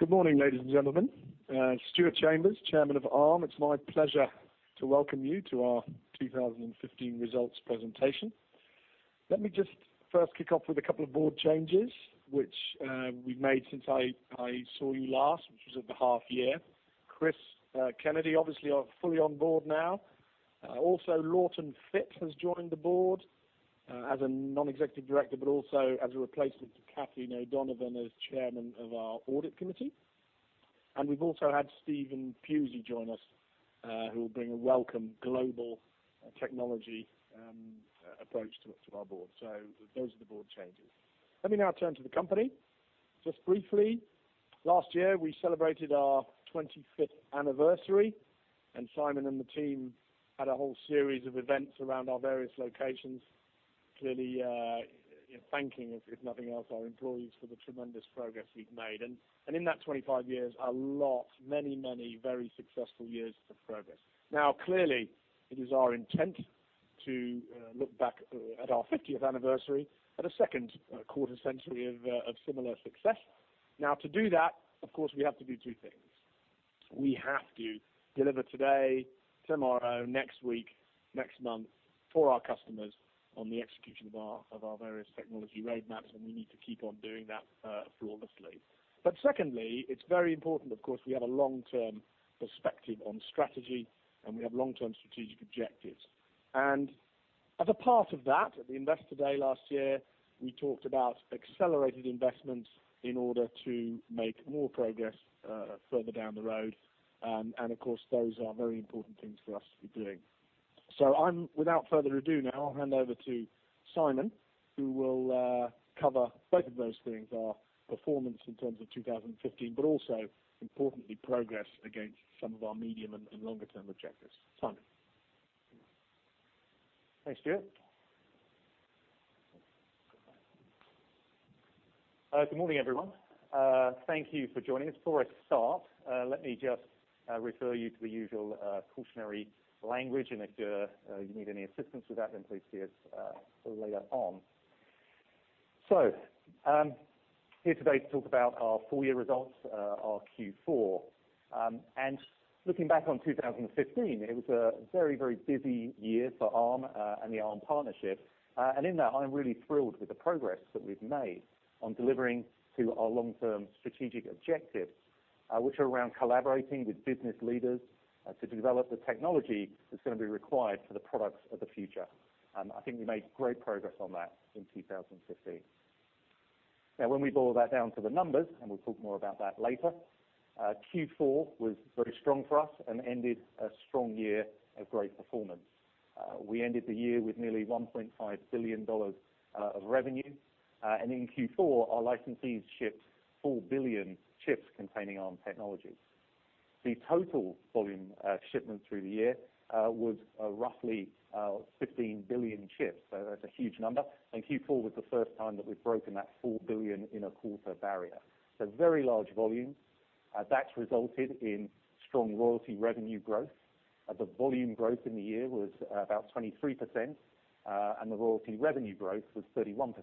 Good morning, ladies and gentlemen. Stuart Chambers, chairman of Arm. It's my pleasure to welcome you to our 2015 results presentation. Let me just first kick off with a couple of board changes, which we've made since I saw you last, which was at the half year. Chris Kennedy, obviously, fully on board now. Also, Lawton Fitt has joined the board as a non-executive director, but also as a replacement to Kathleen O'Donovan as chairman of our audit committee. We've also had Stephen Pusey join us, who will bring a welcome global technology approach to our board. Those are the board changes. Let me now turn to the company. Briefly, last year we celebrated our 25th anniversary, Simon and the team had a whole series of events around our various locations, clearly thanking, if nothing else, our employees for the tremendous progress we've made. In that 25 years, a lot, many very successful years of progress. Clearly, it is our intent to look back at our 50th anniversary at a second quarter century of similar success. To do that, of course, we have to do two things. We have to deliver today, tomorrow, next week, next month for our customers on the execution of our various technology roadmaps, we need to keep on doing that flawlessly. Secondly, it's very important, of course, we have a long-term perspective on strategy, we have long-term strategic objectives. As a part of that, at the investor day last year, we talked about accelerated investments in order to make more progress further down the road. Of course, those are very important things for us to be doing. Without further ado, now, I'll hand over to Simon, who will cover both of those things, our performance in terms of 2015, but also importantly, progress against some of our medium and longer-term objectives. Simon. Thanks, Stuart. Good morning, everyone. Thank you for joining us. Before I start, let me just refer you to the usual cautionary language, if you need any assistance with that, please see us later on. Here today to talk about our full year results, our Q4. Looking back on 2015, it was a very busy year for Arm and the Arm partnership. In that, I'm really thrilled with the progress that we've made on delivering to our long-term strategic objectives, which are around collaborating with business leaders to develop the technology that's going to be required for the products of the future. I think we made great progress on that in 2015. When we boil that down to the numbers, we'll talk more about that later, Q4 was very strong for us and ended a strong year of great performance. We ended the year with nearly $1.5 billion of revenue. In Q4, our licensees shipped 4 billion chips containing Arm technology. The total volume of shipments through the year was roughly 15 billion chips. That's a huge number. Q4 was the first time that we've broken that 4 billion in a quarter barrier. Very large volume. That's resulted in strong royalty revenue growth. The volume growth in the year was about 23%, and the royalty revenue growth was 31%.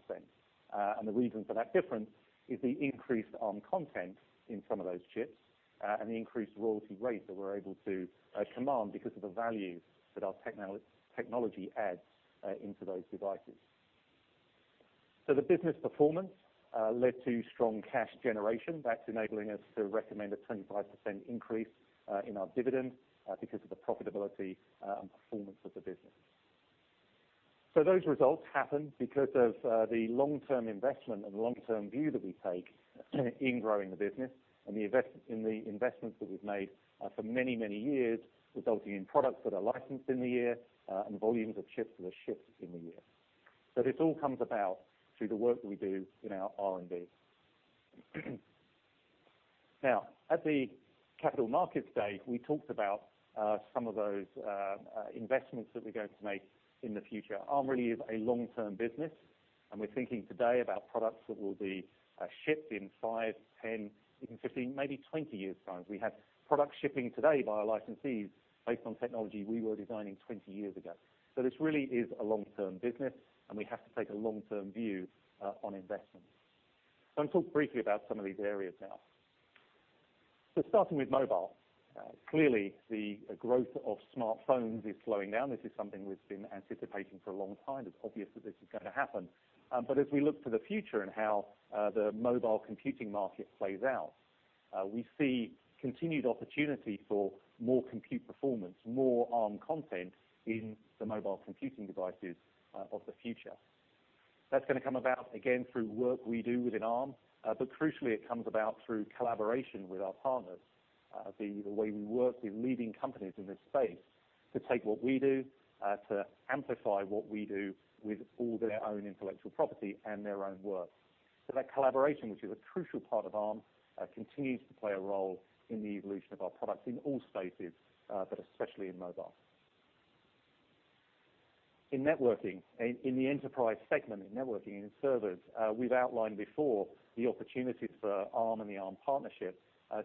The reason for that difference is the increased Arm content in some of those chips, and the increased royalty rate that we're able to command because of the value that our technology adds into those devices. The business performance led to strong cash generation that's enabling us to recommend a 25% increase in our dividend because of the profitability and performance of the business. Those results happened because of the long-term investment and the long-term view that we take in growing the business and the investments that we've made for many, many years, resulting in products that are licensed in the year, and volumes of chips that are shipped in the year. This all comes about through the work that we do in our R&D. At the Capital Markets Day, we talked about some of those investments that we're going to make in the future. Arm really is a long-term business, and we're thinking today about products that will be shipped in five, 10, even 15, maybe 20 years' time. We have product shipping today by our licensees based on technology we were designing 20 years ago. This really is a long-term business, and we have to take a long-term view on investment. I'll talk briefly about some of these areas now. Starting with mobile. Clearly, the growth of smartphones is slowing down. This is something we've been anticipating for a long time. It's obvious that this is going to happen. As we look to the future and how the mobile computing market plays out, we see continued opportunity for more compute performance, more Arm content in the mobile computing devices of the future. That's going to come about again through work we do within Arm. Crucially, it comes about through collaboration with our partners, the way we work with leading companies in this space to take what we do, to amplify what we do with all their own intellectual property and their own work. That collaboration, which is a crucial part of Arm, continues to play a role in the evolution of our products in all spaces, but especially in mobile. In networking, in the enterprise segment, in networking and in servers, we've outlined before the opportunities for Arm and the Arm partnership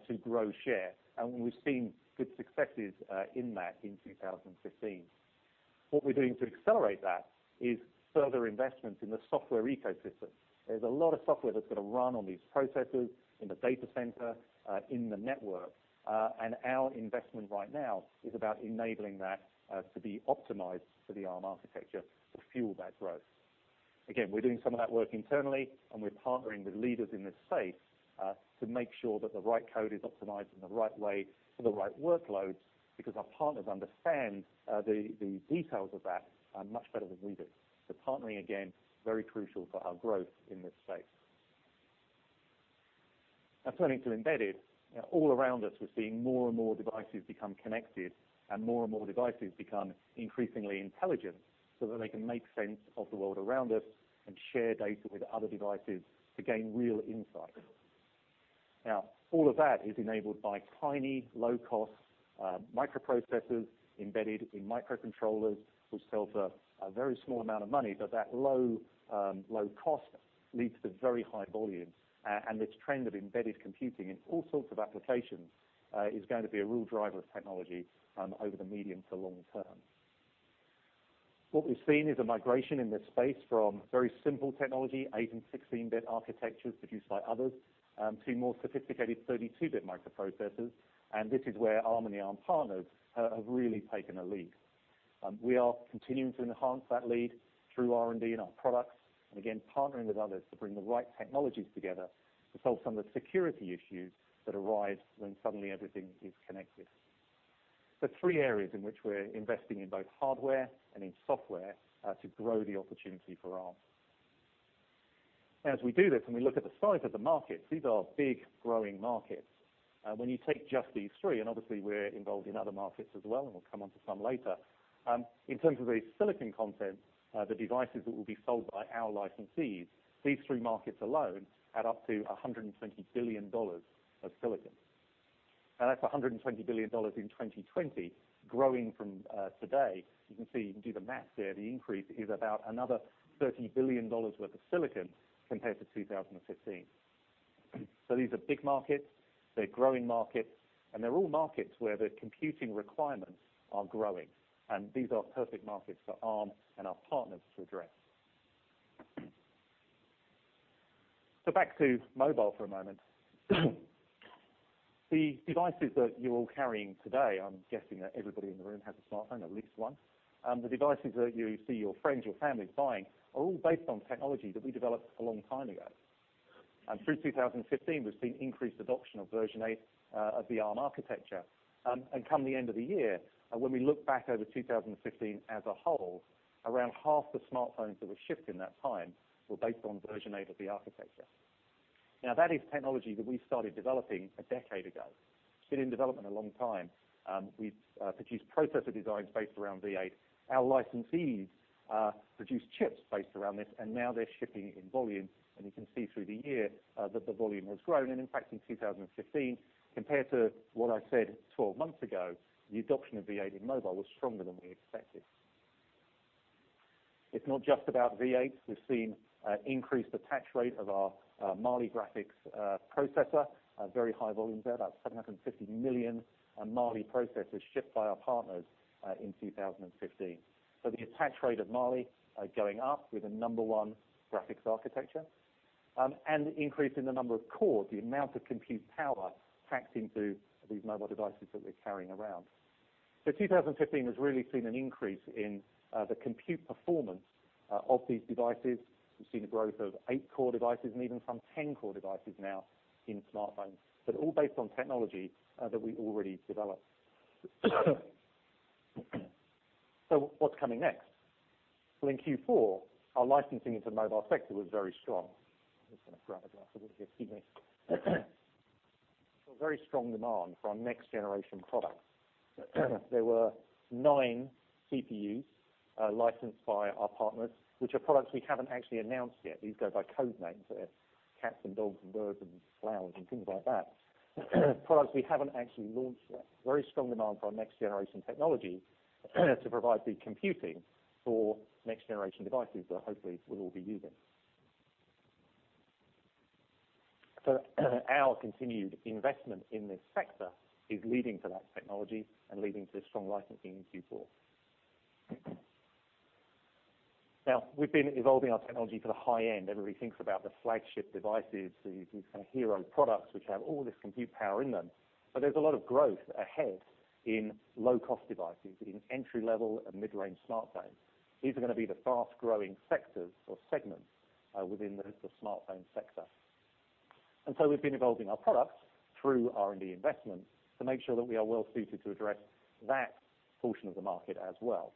to grow share, and we've seen good successes in that in 2015. What we're doing to accelerate that is further investment in the software ecosystem. There's a lot of software that's got to run on these processors in the data center, in the network. Our investment right now is about enabling that to be optimized for the Arm architecture to fuel that growth. We're doing some of that work internally, we're partnering with leaders in this space to make sure that the right code is optimized in the right way for the right workloads, because our partners understand the details of that much better than we do. Partnering, again, very crucial for our growth in this space. Turning to embedded. All around us, we're seeing more and more devices become connected, more and more devices become increasingly intelligent, so that they can make sense of the world around us and share data with other devices to gain real insight. All of that is enabled by tiny, low-cost microprocessors embedded in microcontrollers, which sell for a very small amount of money. That low cost leads to very high volumes. This trend of embedded computing in all sorts of applications is going to be a real driver of technology over the medium to long term. What we've seen is a migration in this space from very simple technology, 8 and 16-bit architectures produced by others, to more sophisticated 32-bit microprocessors. This is where Arm and the Arm partners have really taken a leap. We are continuing to enhance that lead through R&D in our products, again, partnering with others to bring the right technologies together to solve some of the security issues that arise when suddenly everything is connected. Three areas in which we're investing in both hardware and in software to grow the opportunity for Arm. As we do this, we look at the size of the markets, these are big, growing markets. When you take just these three, obviously we're involved in other markets as well, we'll come onto some later. In terms of the silicon content, the devices that will be sold by our licensees, these three markets alone add up to $120 billion of silicon. That's $120 billion in 2020 growing from today. You can see, you can do the math there. The increase is about another $30 billion worth of silicon compared to 2015. These are big markets, they're growing markets, they're all markets where the computing requirements are growing. These are perfect markets for Arm and our partners to address. Back to mobile for a moment. The devices that you're all carrying today, I'm guessing that everybody in the room has a smartphone, at least one. The devices that you see your friends, your families buying are all based on technology that we developed a long time ago. Through 2015, we've seen increased adoption of version 8 of the Arm architecture. Come the end of the year, when we look back over 2015 as a whole, around half the smartphones that were shipped in that time were based on version 8 of the architecture. That is technology that we started developing a decade ago. It's been in development a long time. We've produced processor designs based around V8. Our licensees produce chips based around this, now they're shipping in volume. You can see through the year that the volume has grown. In fact, in 2015, compared to what I said 12 months ago, the adoption of V8 in mobile was stronger than we expected. It's not just about V8. We've seen increased attach rate of our Mali graphics processor. Very high volumes there, about 750 million Mali processors shipped by our partners in 2015. The attach rate of Mali going up. We're the number one graphics architecture. Increase in the number of cores, the amount of compute power packed into these mobile devices that we're carrying around. 2015 has really seen an increase in the compute performance of these devices. We've seen the growth of eight-core devices and even some 10-core devices now in smartphones, but all based on technology that we already developed. What's coming next? In Q4, our licensing into the mobile sector was very strong. I'm just going to grab a glass of water here, excuse me. Very strong demand for our next generation products. There were nine CPUs licensed by our partners, which are products we haven't actually announced yet. These go by code names. They're cats and dogs and birds and flowers and things like that. Products we haven't actually launched yet. Very strong demand for our next generation technology to provide the computing for next generation devices that hopefully we'll all be using. Our continued investment in this sector is leading to that technology and leading to strong licensing in Q4. We've been evolving our technology for the high end. Everybody thinks about the flagship devices, these kind of hero products which have all this compute power in them. There's a lot of growth ahead in low-cost devices, in entry-level and mid-range smartphones. These are going to be the fast-growing sectors or segments within the smartphone sector. We've been evolving our products through R&D investment to make sure that we are well suited to address that portion of the market as well.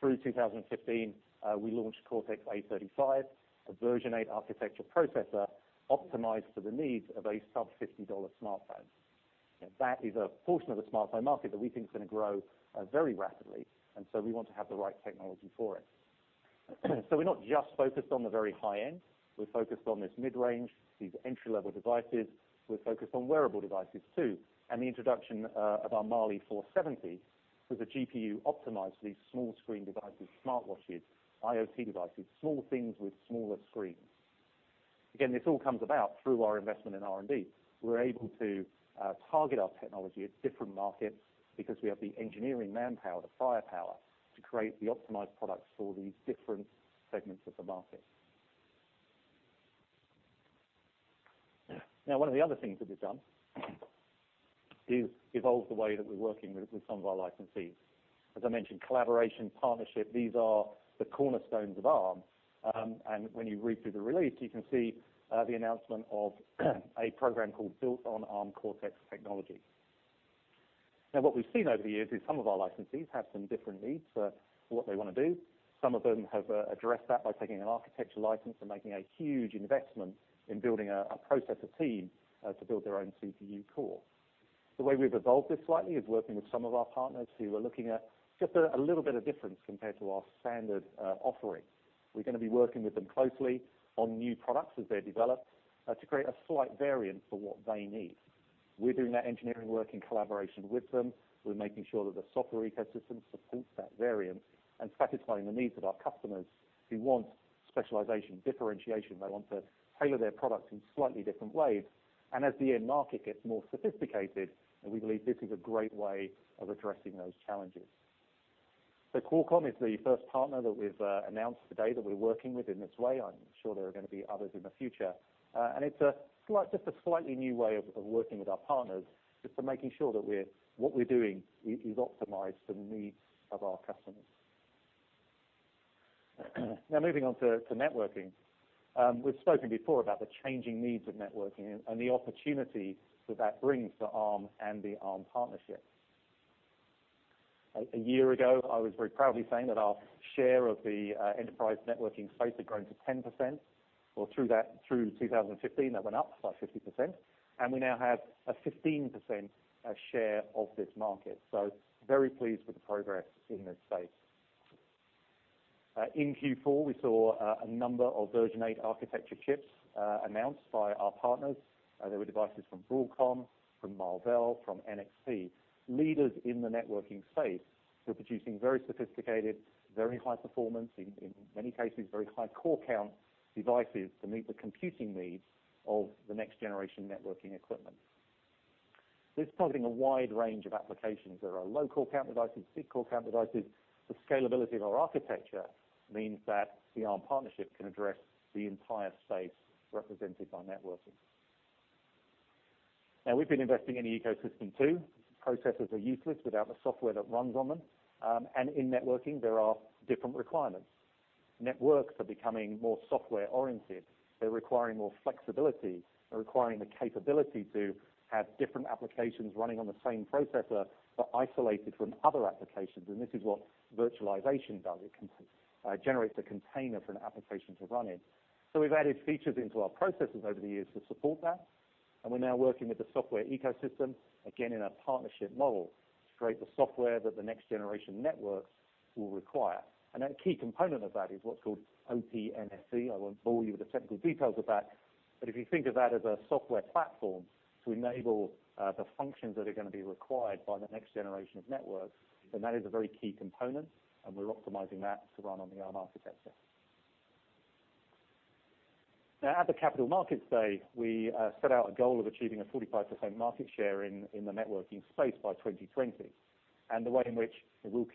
Through 2015, we launched Cortex-A35, a version 8 architecture processor optimized for the needs of a sub-$50 smartphone. That is a portion of the smartphone market that we think is going to grow very rapidly. We want to have the right technology for it. We're not just focused on the very high end. We're focused on this mid-range, these entry-level devices. We're focused on wearable devices, too, and the introduction of our Mali-470 with a GPU optimized for these small screen devices, smartwatches, IoT devices, small things with smaller screens. Again, this all comes about through our investment in R&D. We're able to target our technology at different markets because we have the engineering manpower, the firepower, to create the optimized products for these different segments of the market. One of the other things that we've done is evolve the way that we're working with some of our licensees. As I mentioned, collaboration, partnership, these are the cornerstones of Arm. When you read through the release, you can see the announcement of a program called Built on Arm Cortex Technology. What we've seen over the years is some of our licensees have some different needs for what they want to do. Some of them have addressed that by taking an architecture license and making a huge investment in building a processor team to build their own CPU core. The way we've evolved this slightly is working with some of our partners who are looking at just a little bit of difference compared to our standard offering. We're going to be working with them closely on new products as they're developed to create a slight variant for what they need. We're doing that engineering work in collaboration with them. We're making sure that the software ecosystem supports that variant and satisfying the needs of our customers who want specialization, differentiation. They want to tailor their products in slightly different ways. As the end market gets more sophisticated, we believe this is a great way of addressing those challenges. Qualcomm is the first partner that we've announced today that we're working with in this way. I'm sure there are going to be others in the future. It's just a slightly new way of working with our partners, just for making sure that what we're doing is optimized for the needs of our customers. Now moving on to networking. We've spoken before about the changing needs of networking and the opportunity that that brings to Arm and the Arm partnership. A year ago, I was very proudly saying that our share of the enterprise networking space had grown to 10%, through 2015, that went up by 50%, and we now have a 15% share of this market. Very pleased with the progress in this space. In Q4, we saw a number of version 8 architecture chips announced by our partners. There were devices from Broadcom, from Marvell, from NXP. Leaders in the networking space who are producing very sophisticated, very high performance, in many cases, very high core count devices to meet the computing needs of the next generation networking equipment. This is targeting a wide range of applications. There are low core count devices, six core count devices. The scalability of our architecture means that the Arm partnership can address the entire space represented by networking. Now we've been investing in the ecosystem too. Processors are useless without the software that runs on them. In networking, there are different requirements. Networks are becoming more software oriented. They're requiring more flexibility. They're requiring the capability to have different applications running on the same processor, but isolated from other applications. This is what virtualization does. It generates a container for an application to run in. We've added features into our processes over the years to support that, we're now working with the software ecosystem, again in a partnership model, to create the software that the next generation networks will require. A key component of that is what's called OPNFV. I won't bore you with the technical details of that. If you think of that as a software platform to enable the functions that are going to be required by the next generation of networks, that is a very key component, we're optimizing that to run on the Arm architecture. Now at the Capital Markets Day, we set out a goal of achieving a 45% market share in the networking space by 2020. The way in which we'll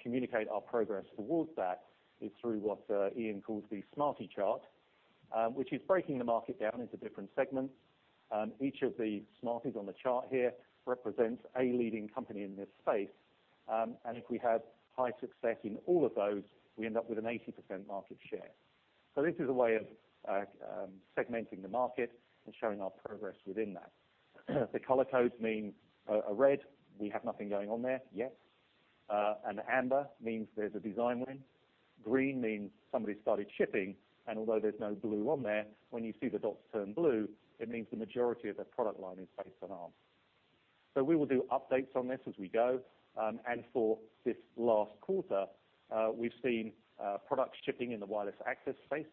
communicate our progress towards that is through what Ian called the SMARTIE chart, which is breaking the market down into different segments. Each of the SMARTIEs on the chart here represents a leading company in this space. If we have high success in all of those, we end up with an 80% market share. This is a way of segmenting the market and showing our progress within that. The color codes mean, red, we have nothing going on there yet. Amber means there's a design win. Green means somebody started shipping, and although there's no blue on there, when you see the dots turn blue, it means the majority of their product line is based on Arm. We will do updates on this as we go. For this last quarter, we've seen products shipping in the wireless access space.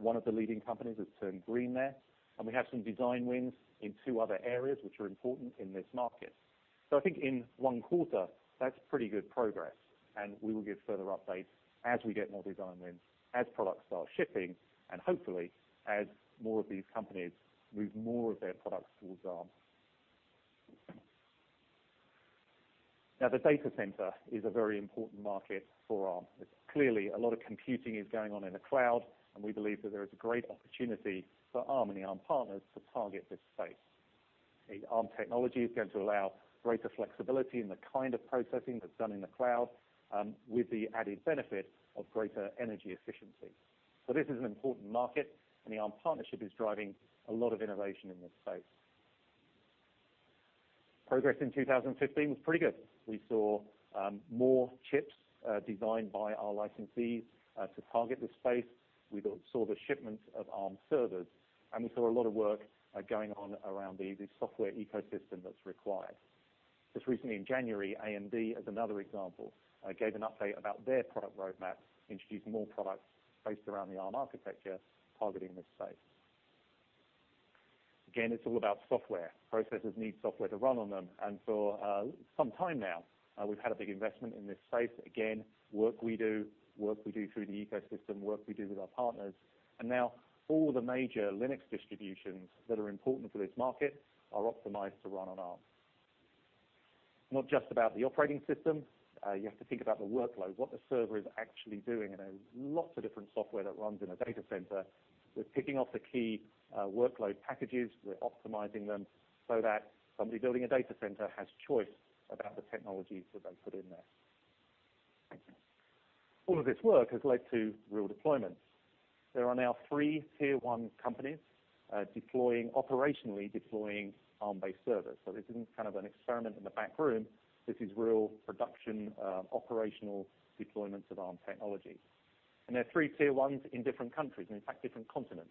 One of the leading companies has turned green there. We have some design wins in two other areas, which are important in this market. I think in one quarter, that's pretty good progress, and we will give further updates as we get more design wins, as products start shipping, and hopefully, as more of these companies move more of their products towards Arm. The data center is a very important market for Arm. Clearly, a lot of computing is going on in the cloud, and we believe that there is a great opportunity for Arm and the Arm partners to target this space. The Arm technology is going to allow greater flexibility in the kind of processing that's done in the cloud, with the added benefit of greater energy efficiency. This is an important market, and the Arm partnership is driving a lot of innovation in this space. Progress in 2015 was pretty good. We saw more chips designed by our licensees to target this space. We saw the shipments of Arm servers, and we saw a lot of work going on around the software ecosystem that's required. Just recently in January, AMD is another example, gave an update about their product roadmap, introducing more products based around the Arm architecture targeting this space. Again, it's all about software. Processors need software to run on them. For some time now, we've had a big investment in this space. Again, work we do, work we do through the ecosystem, work we do with our partners. Now all the major Linux distributions that are important for this market are optimized to run on Arm. Not just about the operating system, you have to think about the workload, what the server is actually doing, there is lots of different software that runs in a data center. We're picking off the key workload packages. We're optimizing them so that somebody building a data center has choice about the technologies that they put in there. All of this work has led to real deployments. There are now three tier 1 companies operationally deploying Arm-based servers. This isn't kind of an experiment in the back room. This is real production, operational deployments of Arm technology. There are three tier 1s in different countries, and in fact different continents.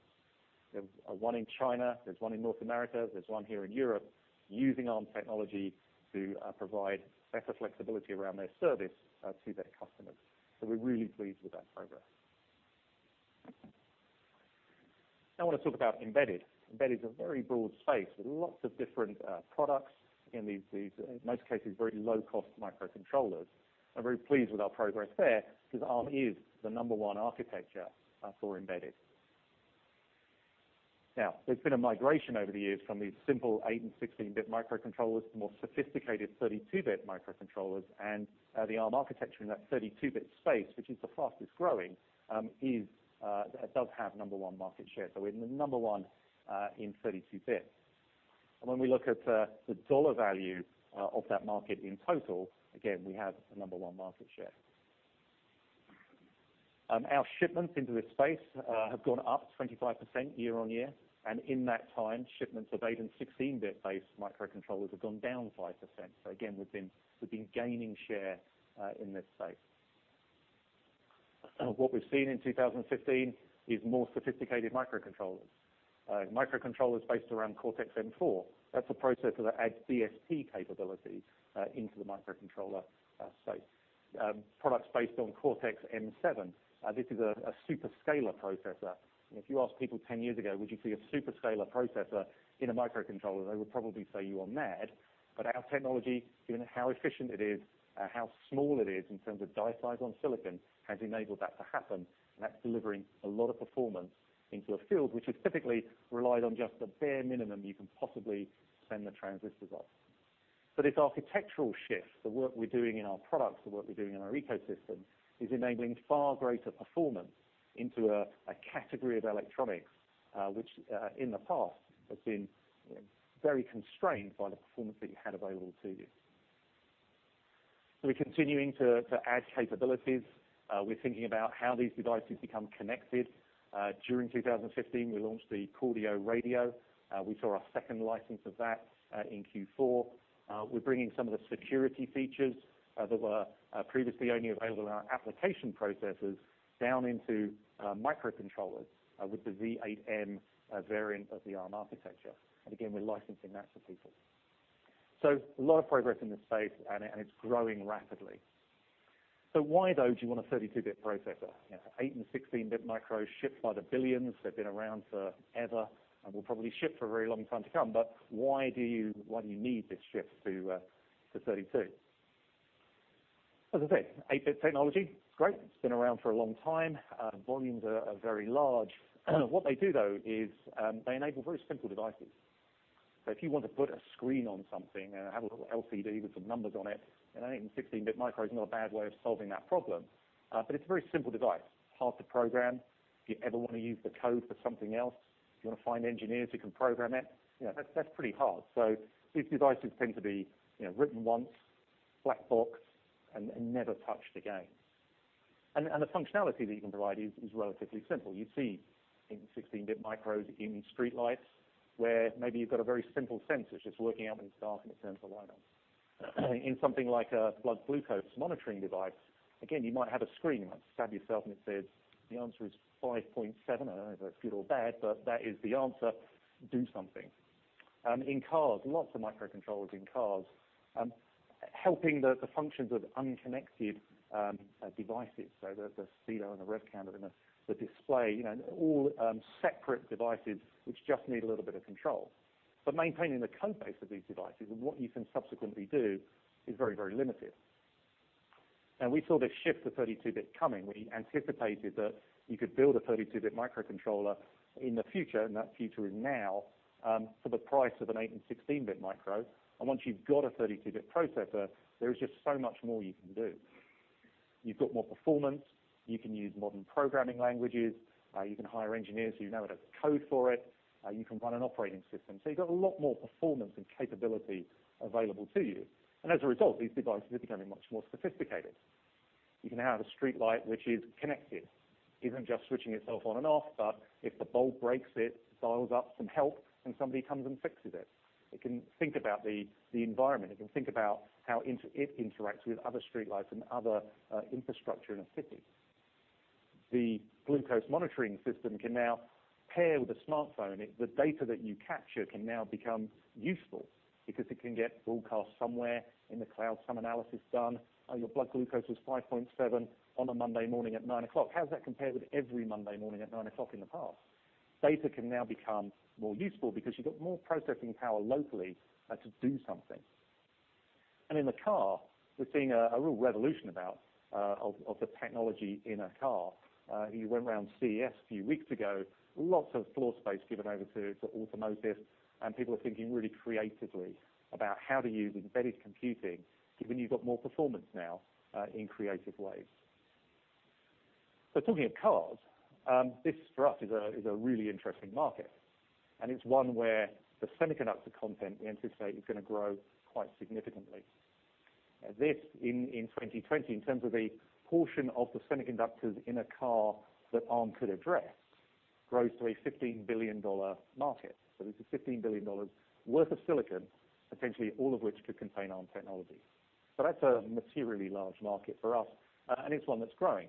There's one in China, there's one in North America, there's one here in Europe, using Arm technology to provide better flexibility around their service to their customers. We're really pleased with that progress. I want to talk about embedded. Embedded is a very broad space with lots of different products in these, in most cases, very low-cost microcontrollers. I am very pleased with our progress there because Arm is the number one architecture for embedded. There has been a migration over the years from these simple 8 and 16-bit microcontrollers to more sophisticated 32-bit microcontrollers, and the Arm architecture in that 32-bit space, which is the fastest growing, does have number one market share. We are number one in 32-bit. When we look at the dollar value of that market in total, again, we have the number one market share. Our shipments into this space have gone up 25% year-over-year, and in that time, shipments of 8 and 16-bit based microcontrollers have gone down 5%. Again, we have been gaining share in this space. What we have seen in 2015 is more sophisticated microcontrollers. Microcontrollers based around Cortex-M4. That is a processor that adds DSP capabilities into the microcontroller space. Products based on Cortex-M7. This is a superscalar processor. If you asked people 10 years ago, would you see a superscalar processor in a microcontroller? They would probably say you are mad. Our technology, given how efficient it is, how small it is in terms of die size on silicon, has enabled that to happen. That is delivering a lot of performance into a field which has typically relied on just the bare minimum you can possibly spend the transistors on. This architectural shift, the work we are doing in our products, the work we are doing in our ecosystem, is enabling far greater performance into a category of electronics which, in the past, has been very constrained by the performance that you had available to you. We are continuing to add capabilities. We are thinking about how these devices become connected. During 2015, we launched the Cordio Radio. We saw our second license of that in Q4. We are bringing some of the security features that were previously only available in our application processes down into microcontrollers with the Armv8-M variant of the Arm architecture. Again, we are licensing that to people. A lot of progress in this space, and it is growing rapidly. Why, though, do you want a 32-bit processor? 8 and 16-bit micros ship by the billions. They have been around forever and will probably ship for a very long time to come. Why do you need this shift to 32? As I said, 8-bit technology, great. It has been around for a long time. Volumes are very large. What they do, though, is they enable very simple devices. If you want to put a screen on something and have a little LCD with some numbers on it, an 8 and 16-bit micro is not a bad way of solving that problem. It is a very simple device. Hard to program. If you ever want to use the code for something else, if you want to find engineers who can program it, that is pretty hard. These devices tend to be written once, black box, and never touched again. The functionality that you can provide is relatively simple. You see 8 and 16-bit micros in streetlights where maybe you've got a very simple sensor. It's just working out when it's dark and it turns the light on. In something like a blood glucose monitoring device, again, you might have a screen, stab yourself, and it says the answer is 5.7. I don't know if that's good or bad, but that is the answer. Do something. In cars, lots of microcontrollers in cars, helping the functions of unconnected devices. The speedo and the rev counter and the display, all separate devices which just need a little bit of control. Maintaining the code base of these devices and what you can subsequently do is very limited. We saw this shift to 32-bit coming. We anticipated that you could build a 32-bit microcontroller in the future, that future is now, for the price of an 8 and 16-bit micro. Once you've got a 32-bit processor, there is just so much more you can do. You've got more performance. You can use modern programming languages. You can hire engineers who know how to code for it. You can run an operating system. You've got a lot more performance and capability available to you. As a result, these devices are becoming much more sophisticated. You can have a streetlight which is connected. Isn't just switching itself on and off, but if the bulb breaks, it dials up some help and somebody comes and fixes it. It can think about the environment. It can think about how it interacts with other streetlights and other infrastructure in a city. The glucose monitoring system can now pair with a smartphone. The data that you capture can now become useful because it can get broadcast somewhere in the cloud, some analysis done. Your blood glucose was 5.7 on a Monday morning at 9:00. How does that compare with every Monday morning at 9:00 in the past? Data can now become more useful because you've got more processing power locally to do something. In the car, we're seeing a real revolution about of the technology in a car. You went around CES a few weeks ago, lots of floor space given over to automotive, and people are thinking really creatively about how to use embedded computing, given you've got more performance now, in creative ways. Talking of cars, this for us is a really interesting market, it's one where the semiconductor content we anticipate is going to grow quite significantly. This, in 2020, in terms of a portion of the semiconductors in a car that Arm could address, grows to a $15 billion market. This is $15 billion worth of silicon, potentially all of which could contain Arm technology. That's a materially large market for us, and it's one that's growing.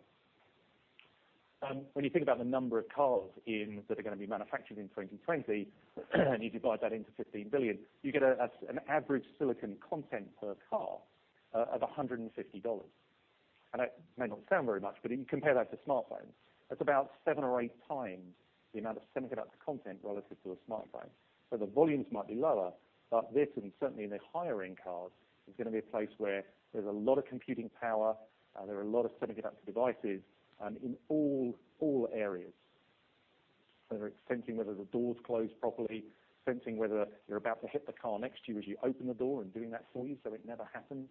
When you think about the number of cars that are going to be manufactured in 2020, and you divide that into 15 billion, you get an average silicon content per car of $150. That may not sound very much, but you compare that to smartphones. That's about seven or eight times the amount of semiconductor content relative to a smartphone. The volumes might be lower, but this, and certainly in the higher-end cars, is going to be a place where there's a lot of computing power, there are a lot of semiconductor devices, and in all areas. Whether it's sensing whether the door's closed properly, sensing whether you're about to hit the car next to you as you open the door and doing that for you so it never happens,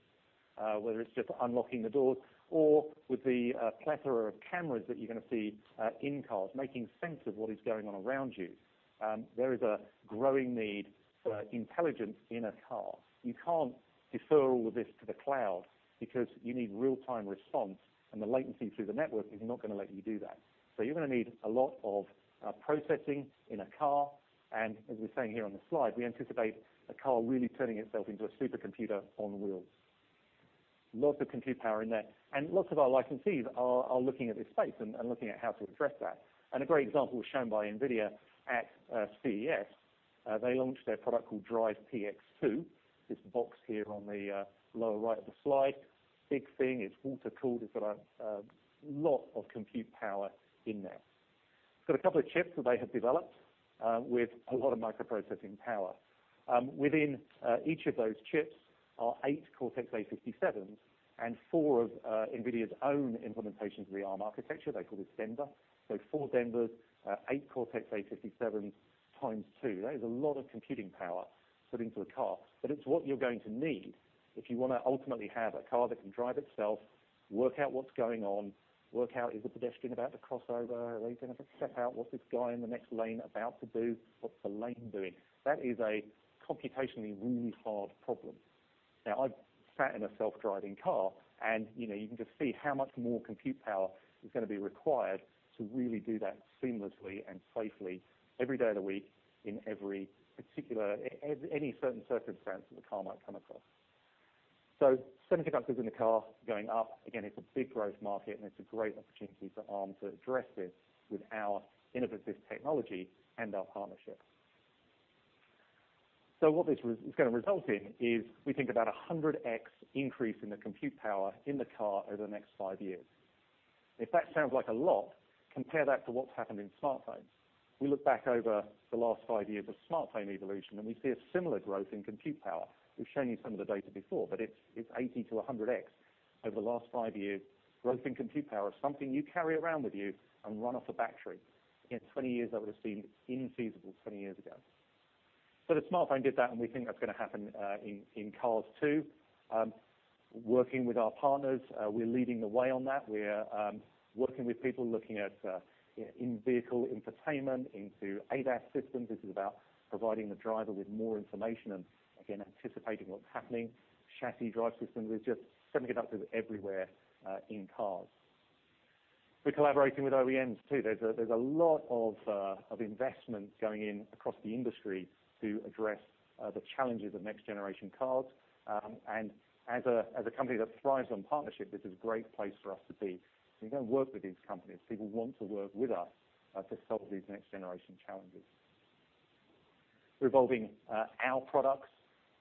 whether it's just unlocking the doors or with the plethora of cameras that you're going to see in cars, making sense of what is going on around you. There is a growing need for intelligence in a car. You can't defer all of this to the cloud because you need real-time response, and the latency through the network is not going to let you do that. You're going to need a lot of processing in a car, as we're saying here on the slide, we anticipate a car really turning itself into a supercomputer on wheels. Lots of compute power in there. Lots of our licensees are looking at this space and looking at how to address that. A great example was shown by NVIDIA at CES. They launched their product called Drive PX2, this box here on the lower right of the slide. Big thing, it's water-cooled. It's got a lot of compute power in there. It's got a couple of chips that they have developed with a lot of microprocessing power. Within each of those chips are eight Cortex-A57s and four of NVIDIA's own implementations of the Arm architecture, they call this Denver. Four Denvers, eight Cortex-A57 times two. That is a lot of computing power put into a car, but it's what you're going to need if you want to ultimately have a car that can drive itself, work out what's going on, work out is a pedestrian about to cross over, are they going to step out? What's this guy in the next lane about to do? What's the lane doing? That is a computationally really hard problem. Now, I've sat in a self-driving car, and you can just see how much more compute power is going to be required to really do that seamlessly and safely every day of the week in any certain circumstance that the car might come across. Semiconductors in the car going up. Again, it's a big growth market, and it's a great opportunity for Arm to address this with our innovative technology and our partnerships. What this is going to result in is we think about 100X increase in the compute power in the car over the next five years. If that sounds like a lot, compare that to what's happened in smartphones. We look back over the last five years of smartphone evolution, and we see a similar growth in compute power. We've shown you some of the data before, but it's 80 to 100X over the last five years. Growth in compute power of something you carry around with you and run off a battery. Again, 20 years, that would have seemed infeasible 20 years ago. The smartphone did that, and we think that's going to happen in cars, too. Working with our partners, we're leading the way on that. We're working with people looking at in-vehicle infotainment into ADAS systems. This is about providing the driver with more information, again anticipating what's happening, chassis drive systems, there's just semiconductors everywhere in cars. We're collaborating with OEMs, too. There's a lot of investment going in across the industry to address the challenges of next generation cars. As a company that thrives on partnership, this is a great place for us to be. We're going to work with these companies. People want to work with us to solve these next generation challenges. We're evolving our products,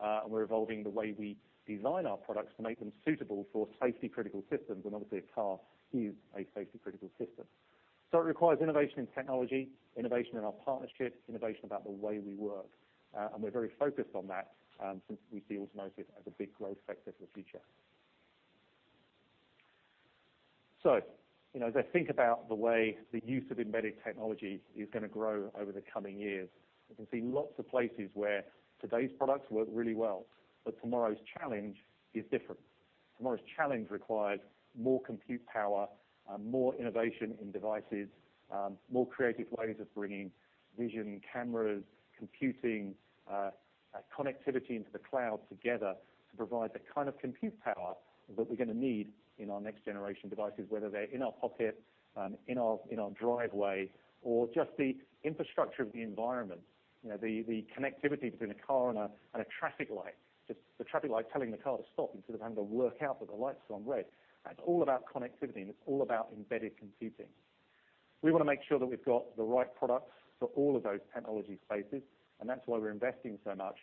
and we're evolving the way we design our products to make them suitable for safety-critical systems. Obviously, a car is a safety-critical system. It requires innovation in technology, innovation in our partnerships, innovation about the way we work. We're very focused on that since we see automotive as a big growth sector for the future. As I think about the way the use of embedded technology is going to grow over the coming years, I can see lots of places where today's products work really well. Tomorrow's challenge is different. Tomorrow's challenge requires more compute power, more innovation in devices, more creative ways of bringing vision, cameras, computing, connectivity into the cloud together to provide the kind of compute power that we're going to need in our next generation devices, whether they're in our pocket, in our driveway, or just the infrastructure of the environment. The connectivity between a car and a traffic light, just the traffic light telling the car to stop instead of having to work out that the light's gone red. That's all about connectivity. It's all about embedded computing. We want to make sure that we've got the right products for all of those technology spaces. That's why we're investing so much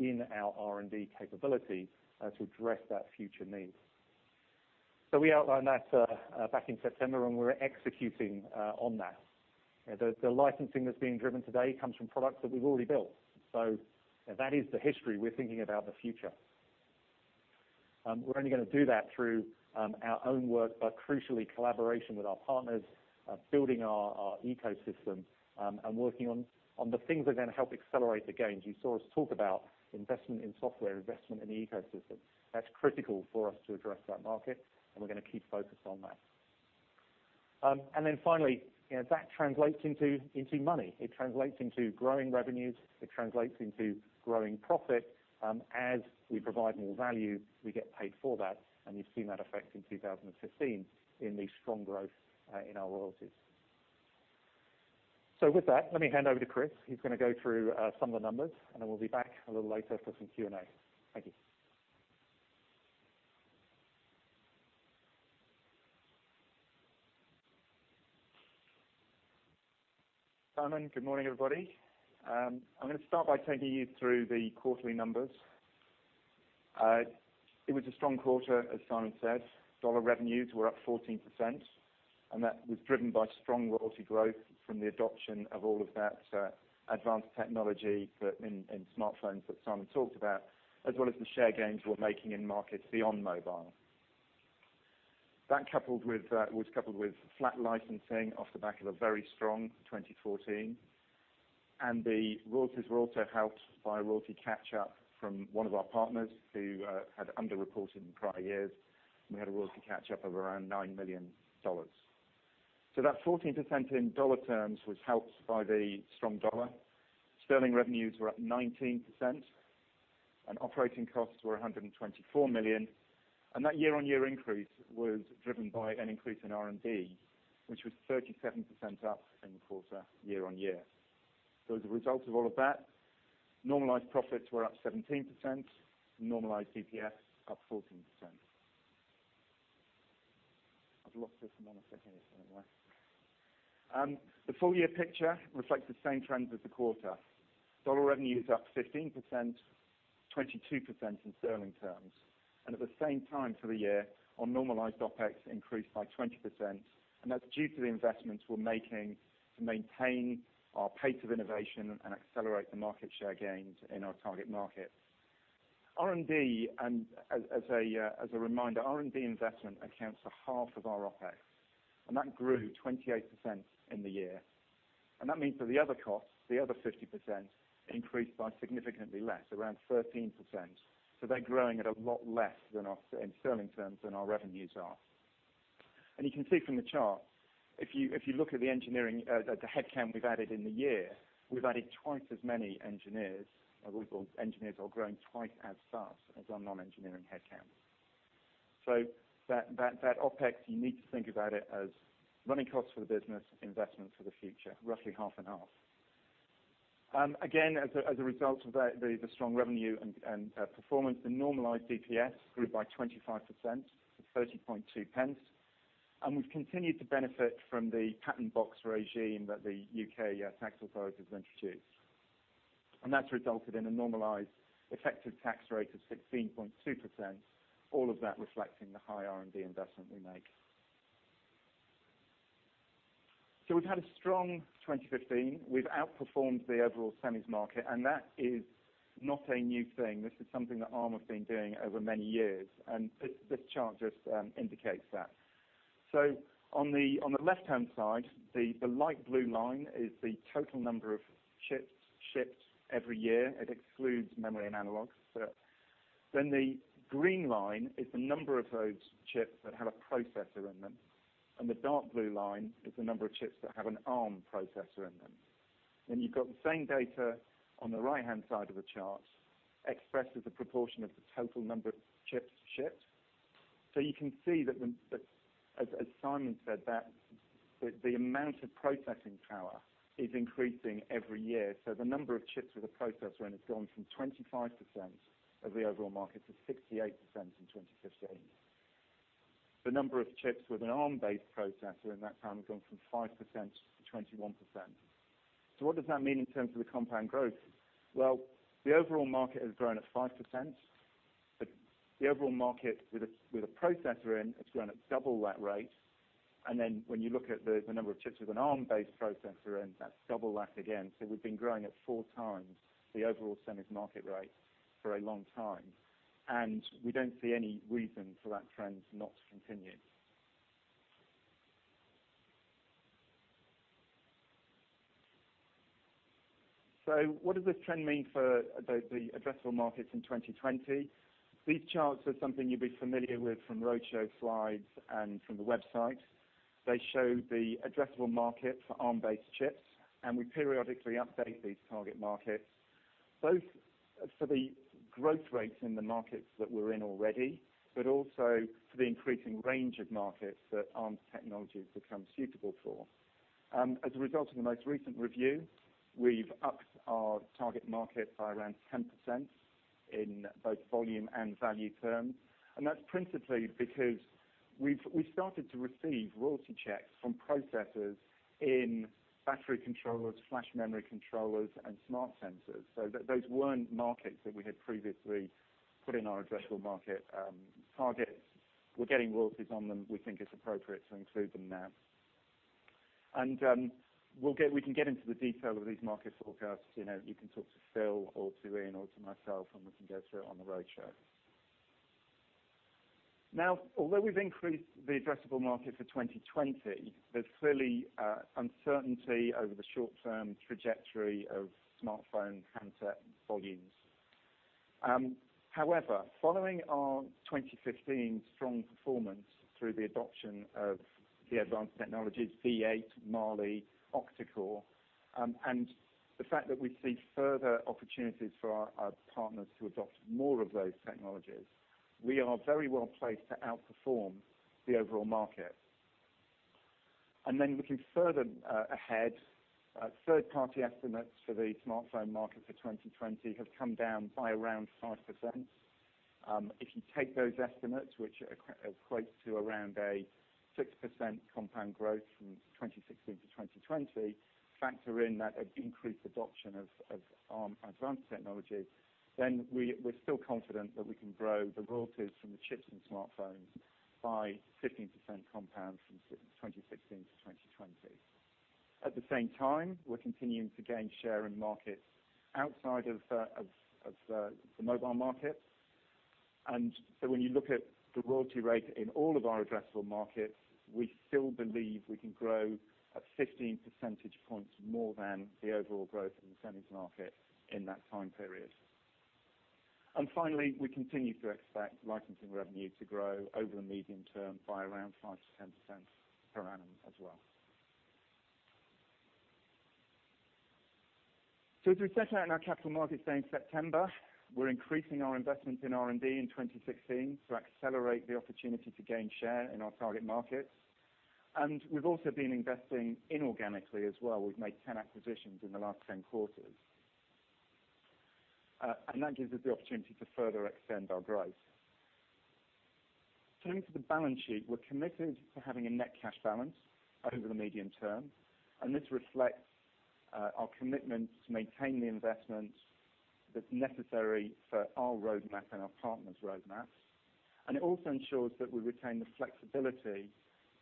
in our R&D capability to address that future need. We outlined that back in September. We're executing on that. The licensing that's being driven today comes from products that we've already built. That is the history. We're thinking about the future. We're only going to do that through our own work. Crucially, collaboration with our partners, building our ecosystem, working on the things that are going to help accelerate the gains. You saw us talk about investment in software, investment in the ecosystem. That's critical for us to address that market. We're going to keep focused on that. Finally, that translates into money. It translates into growing revenues. It translates into growing profit. As we provide more value, we get paid for that. You've seen that effect in 2015 in the strong growth in our royalties. With that, let me hand over to Chris. He's going to go through some of the numbers. Then we'll be back a little later for some Q&A. Thank you. Simon. Good morning, everybody. I'm going to start by taking you through the quarterly numbers. It was a strong quarter, as Simon said. Dollar revenues were up 14%, and that was driven by strong royalty growth from the adoption of all of that advanced technology in smartphones that Simon talked about, as well as the share gains we're making in markets beyond mobile. That was coupled with flat licensing off the back of a very strong 2014, and the royalties were also helped by a royalty catch-up from one of our partners who had underreported in prior years. We had a royalty catch-up of around $9 million. That 14% in dollar terms was helped by the strong dollar. Sterling revenues were up 19%, and operating costs were 124 million. That year-on-year increase was driven by an increase in R&D, which was 37% up in the quarter, year-on-year. As a result of all of that, normalized profits were up 17%, normalized DPS up 14%. I've lost this mouse somewhere. The full-year picture reflects the same trends as the quarter. Dollar revenue is up 15%, 22% in sterling terms. At the same time for the year, our normalized OpEx increased by 20%, and that's due to the investments we're making to maintain our pace of innovation and accelerate the market share gains in our target market. As a reminder, R&D investment accounts for half of our OpEx, and that grew 28% in the year. That means that the other costs, the other 50%, increased by significantly less, around 13%. They're growing at a lot less in sterling terms than our revenues are. You can see from the chart, if you look at the headcount we've added in the year, we've added twice as many engineers. Our engineers are growing twice as fast as our non-engineering headcount. That OpEx, you need to think about it as running costs for the business, investment for the future, roughly half and half. Again, as a result of the strong revenue and performance, the normalized DPS grew by 25% to 0.302. We've continued to benefit from the Patent Box regime that the U.K. tax authorities introduced. That's resulted in a normalized effective tax rate of 16.2%. All of that reflecting the high R&D investment we make. We've had a strong 2015. We've outperformed the overall semis market, and that is not a new thing. This is something that Arm has been doing over many years, and this chart just indicates that. On the left-hand side, the light blue line is the total number of chips shipped every year. It excludes memory and analog. The green line is the number of those chips that have a processor in them, and the dark blue line is the number of chips that have an Arm processor in them. You've got the same data on the right-hand side of the chart expressed as a proportion of the total number of chips shipped. You can see that, as Simon said, that the amount of processing power is increasing every year. The number of chips with a processor in has gone from 25% of the overall market to 68% in 2015. The number of chips with an Arm-based processor in that time has gone from 5% to 21%. What does that mean in terms of the compound growth? The overall market has grown at 5%, the overall market with a processor in has grown at double that rate. When you look at the number of chips with an Arm-based processor in, that's double that again. We've been growing at four times the overall semis market rate for a long time, and we don't see any reason for that trend not to continue. What does this trend mean for the addressable markets in 2020? These charts are something you'll be familiar with from roadshow slides and from the website. They show the addressable market for Arm-based chips, and we periodically update these target markets, both for the growth rates in the markets that we're in already, but also for the increasing range of markets that Arm technology has become suitable for. As a result of the most recent review, we've upped our target market by around 10% in both volume and value terms. That's principally because we started to receive royalty checks from processors in battery controllers, flash memory controllers, and smart sensors. Those weren't markets that we had previously put in our addressable market targets. We're getting royalties on them. We think it's appropriate to include them now. We can get into the detail of these market forecasts. You can talk to Phil or to Ian or to myself, and we can go through it on the roadshow. Although we've increased the addressable market for 2020, there's clearly uncertainty over the short-term trajectory of smartphone handset volumes. However, following our 2015 strong performance through the adoption of the advanced technologies, V8, Mali, octa-core, and the fact that we see further opportunities for our partners to adopt more of those technologies, we are very well placed to outperform the overall market. Looking further ahead, third party estimates for the smartphone market for 2020 have come down by around 5%. If you take those estimates, which equates to around a 6% compound growth from 2016 to 2020, factor in that increased adoption of Arm advanced technology, we're still confident that we can grow the royalties from the chips and smartphones by 15% compound from 2016 to 2020. At the same time, we're continuing to gain share in markets outside of the mobile market. When you look at the royalty rate in all of our addressable markets, we still believe we can grow at 15 percentage points more than the overall growth in the semis market in that time period. Finally, we continue to expect licensing revenue to grow over the medium term by around 5%-10% per annum as well. As we set out in our Capital Markets Day in September, we're increasing our investment in R&D in 2016 to accelerate the opportunity to gain share in our target markets. We've also been investing inorganically as well. We've made 10 acquisitions in the last 10 quarters. That gives us the opportunity to further extend our growth. Turning to the balance sheet, we're committed to having a net cash balance over the medium term, this reflects our commitment to maintain the investment that's necessary for our roadmap and our partners' roadmaps. It also ensures that we retain the flexibility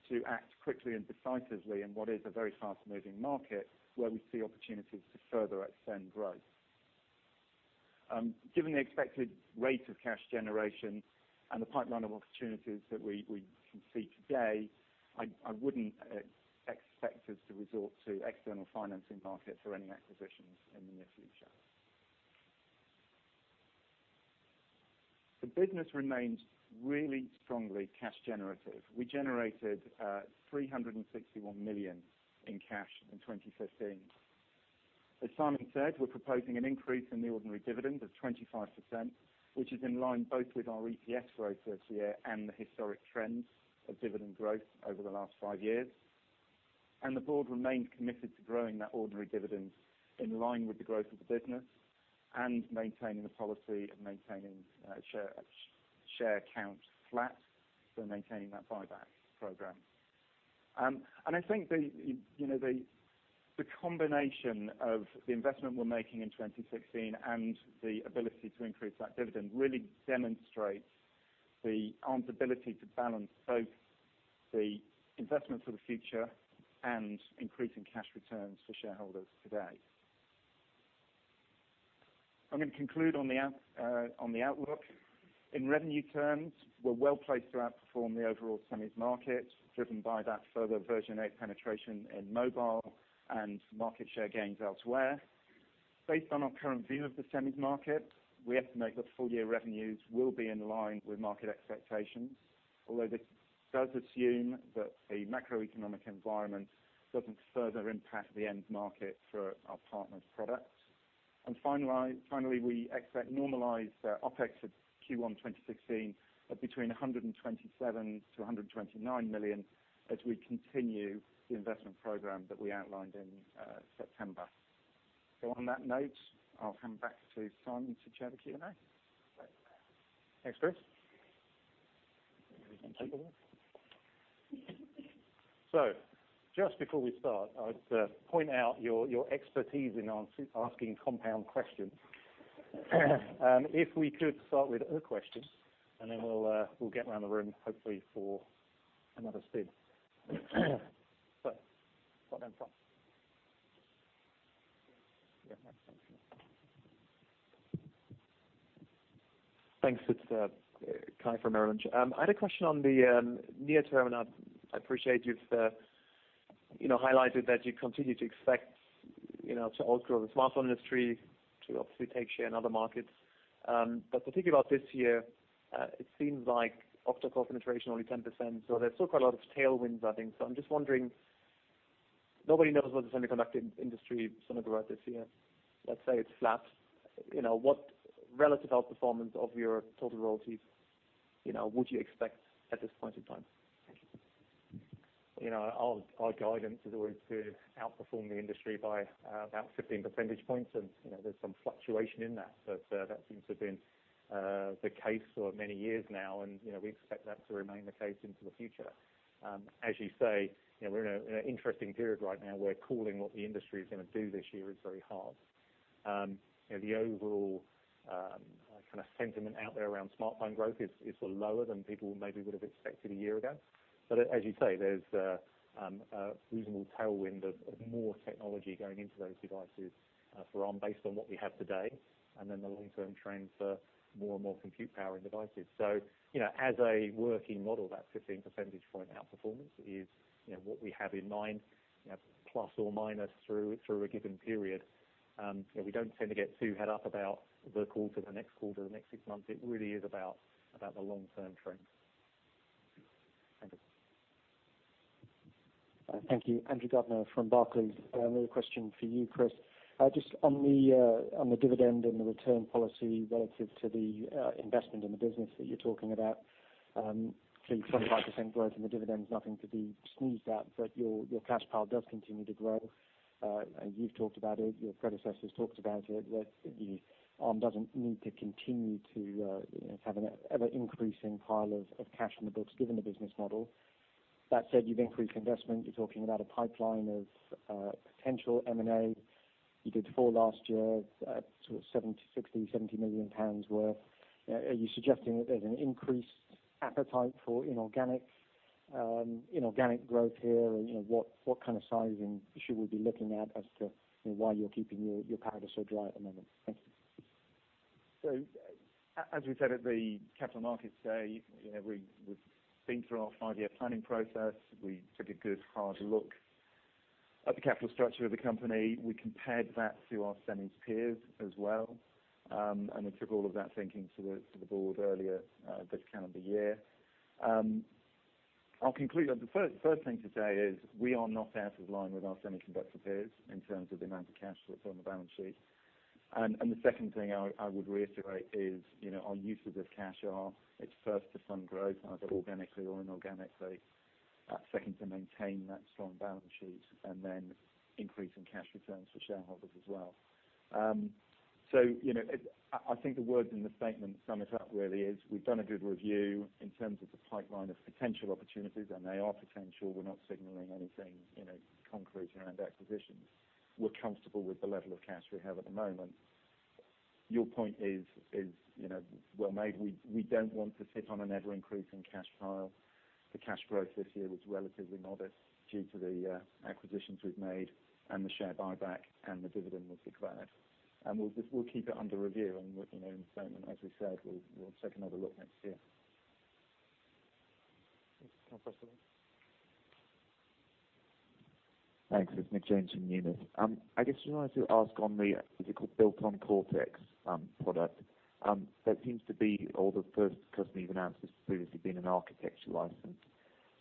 to act quickly and decisively in what is a very fast-moving market, where we see opportunities to further extend growth. Given the expected rate of cash generation and the pipeline of opportunities that we can see today, I wouldn't expect us to resort to external financing markets for any acquisitions in the near future. The business remains really strongly cash generative. We generated 361 million in cash in 2015. As Simon said, we're proposing an increase in the ordinary dividend of 25%, which is in line both with our EPS growth this year and the historic trends of dividend growth over the last five years. The board remains committed to growing that ordinary dividend in line with the growth of the business and maintaining the policy of maintaining share count flat for maintaining that buyback program. I think the combination of the investment we're making in 2016 and the ability to increase that dividend really demonstrates Arm's ability to balance both the investment for the future and increasing cash returns for shareholders today. I'm going to conclude on the outlook. In revenue terms, we're well placed to outperform the overall semis market, driven by that further version 8 penetration in mobile and market share gains elsewhere. Based on our current view of the semis market, we estimate that full year revenues will be in line with market expectations. Although this does assume that a macroeconomic environment doesn't further impact the end market for our partners' products. Finally, we expect normalized OpEx for Q1 2016 of between 127 million to 129 million as we continue the investment program that we outlined in September. On that note, I'll hand back to Simon to chair the Q&A. Thanks, Chris. Just before we start, I would point out your expertise in asking compound questions. If we could start with a question, then we'll get around the room hopefully for another spin. Start down the front. Yeah. Thanks. Kai from Merrill Lynch. I had a question on the near term. I appreciate you've highlighted that you continue to expect to outgrow the smartphone industry to obviously take share in other markets. Particularly about this year, it seems like octa-core penetration only 10%, there's still quite a lot of tailwinds, I think. I'm just wondering, nobody knows what the semiconductor industry is going to grow at this year. Let's say it's flat. What relative outperformance of your total royalties would you expect at this point in time? Thank you. Our guidance is always to outperform the industry by about 15 percentage points, there's some fluctuation in that. That seems to have been the case for many years now, we expect that to remain the case into the future. As you say, we're in an interesting period right now where calling what the industry is going to do this year is very hard. The overall sentiment out there around smartphone growth is lower than people maybe would have expected a year ago. As you say, there's a reasonable tailwind of more technology going into those devices for Arm based on what we have today, the long-term trends for more and more compute power in devices. As a working model, that 15 percentage point outperformance is what we have in mind, plus or minus through a given period. We don't tend to get too head up about the quarter, the next quarter, the next six months. It really is about the long-term trends. Thank you. Thank you. Andrew Gardiner from Barclays. Another question for you, Chris. Just on the dividend and the return policy relative to the investment in the business that you're talking about. Clearly, 25% growth in the dividend is nothing to be sneezed at, but your cash pile does continue to grow. You've talked about it, your predecessor's talked about it, that Arm doesn't need to continue to have an ever-increasing pile of cash on the books, given the business model. That said, you've increased investment. You're talking about a pipeline of potential M&A. You did four last year at sort of 60 million-70 million pounds worth. Are you suggesting that there's an increased appetite for inorganic growth here? What kind of sizing should we be looking at as to why you're keeping your powder so dry at the moment? Thank you. As we said at the Capital Markets Day, we've been through our five-year planning process. We took a good hard look at the capital structure of the company. We compared that to our semi peers as well, we took all of that thinking to the board earlier this calendar year. I'll conclude that the first thing to say is we are not out of line with our semiconductor peers in terms of the amount of cash that's on the balance sheet. The second thing I would reiterate is our uses of cash are, it's first to fund growth, either organically or inorganically. Second, to maintain that strong balance sheet, and then increasing cash returns for shareholders as well. I think the words in the statement sum it up really is we've done a good review in terms of the pipeline of potential opportunities, and they are potential. We're not signaling anything concrete around acquisitions. We're comfortable with the level of cash we have at the moment. Your point is well made. We don't want to sit on an ever-increasing cash pile. The cash growth this year was relatively modest due to the acquisitions we've made and the share buyback and the dividend we declared. We'll keep it under review. As we said, we'll take another look next year. Thanks. Nick Jones from Unith. I guess I wanted to ask on the physical built-on Cortex product. That seems to be all the first customer you've announced has previously been an architecture license.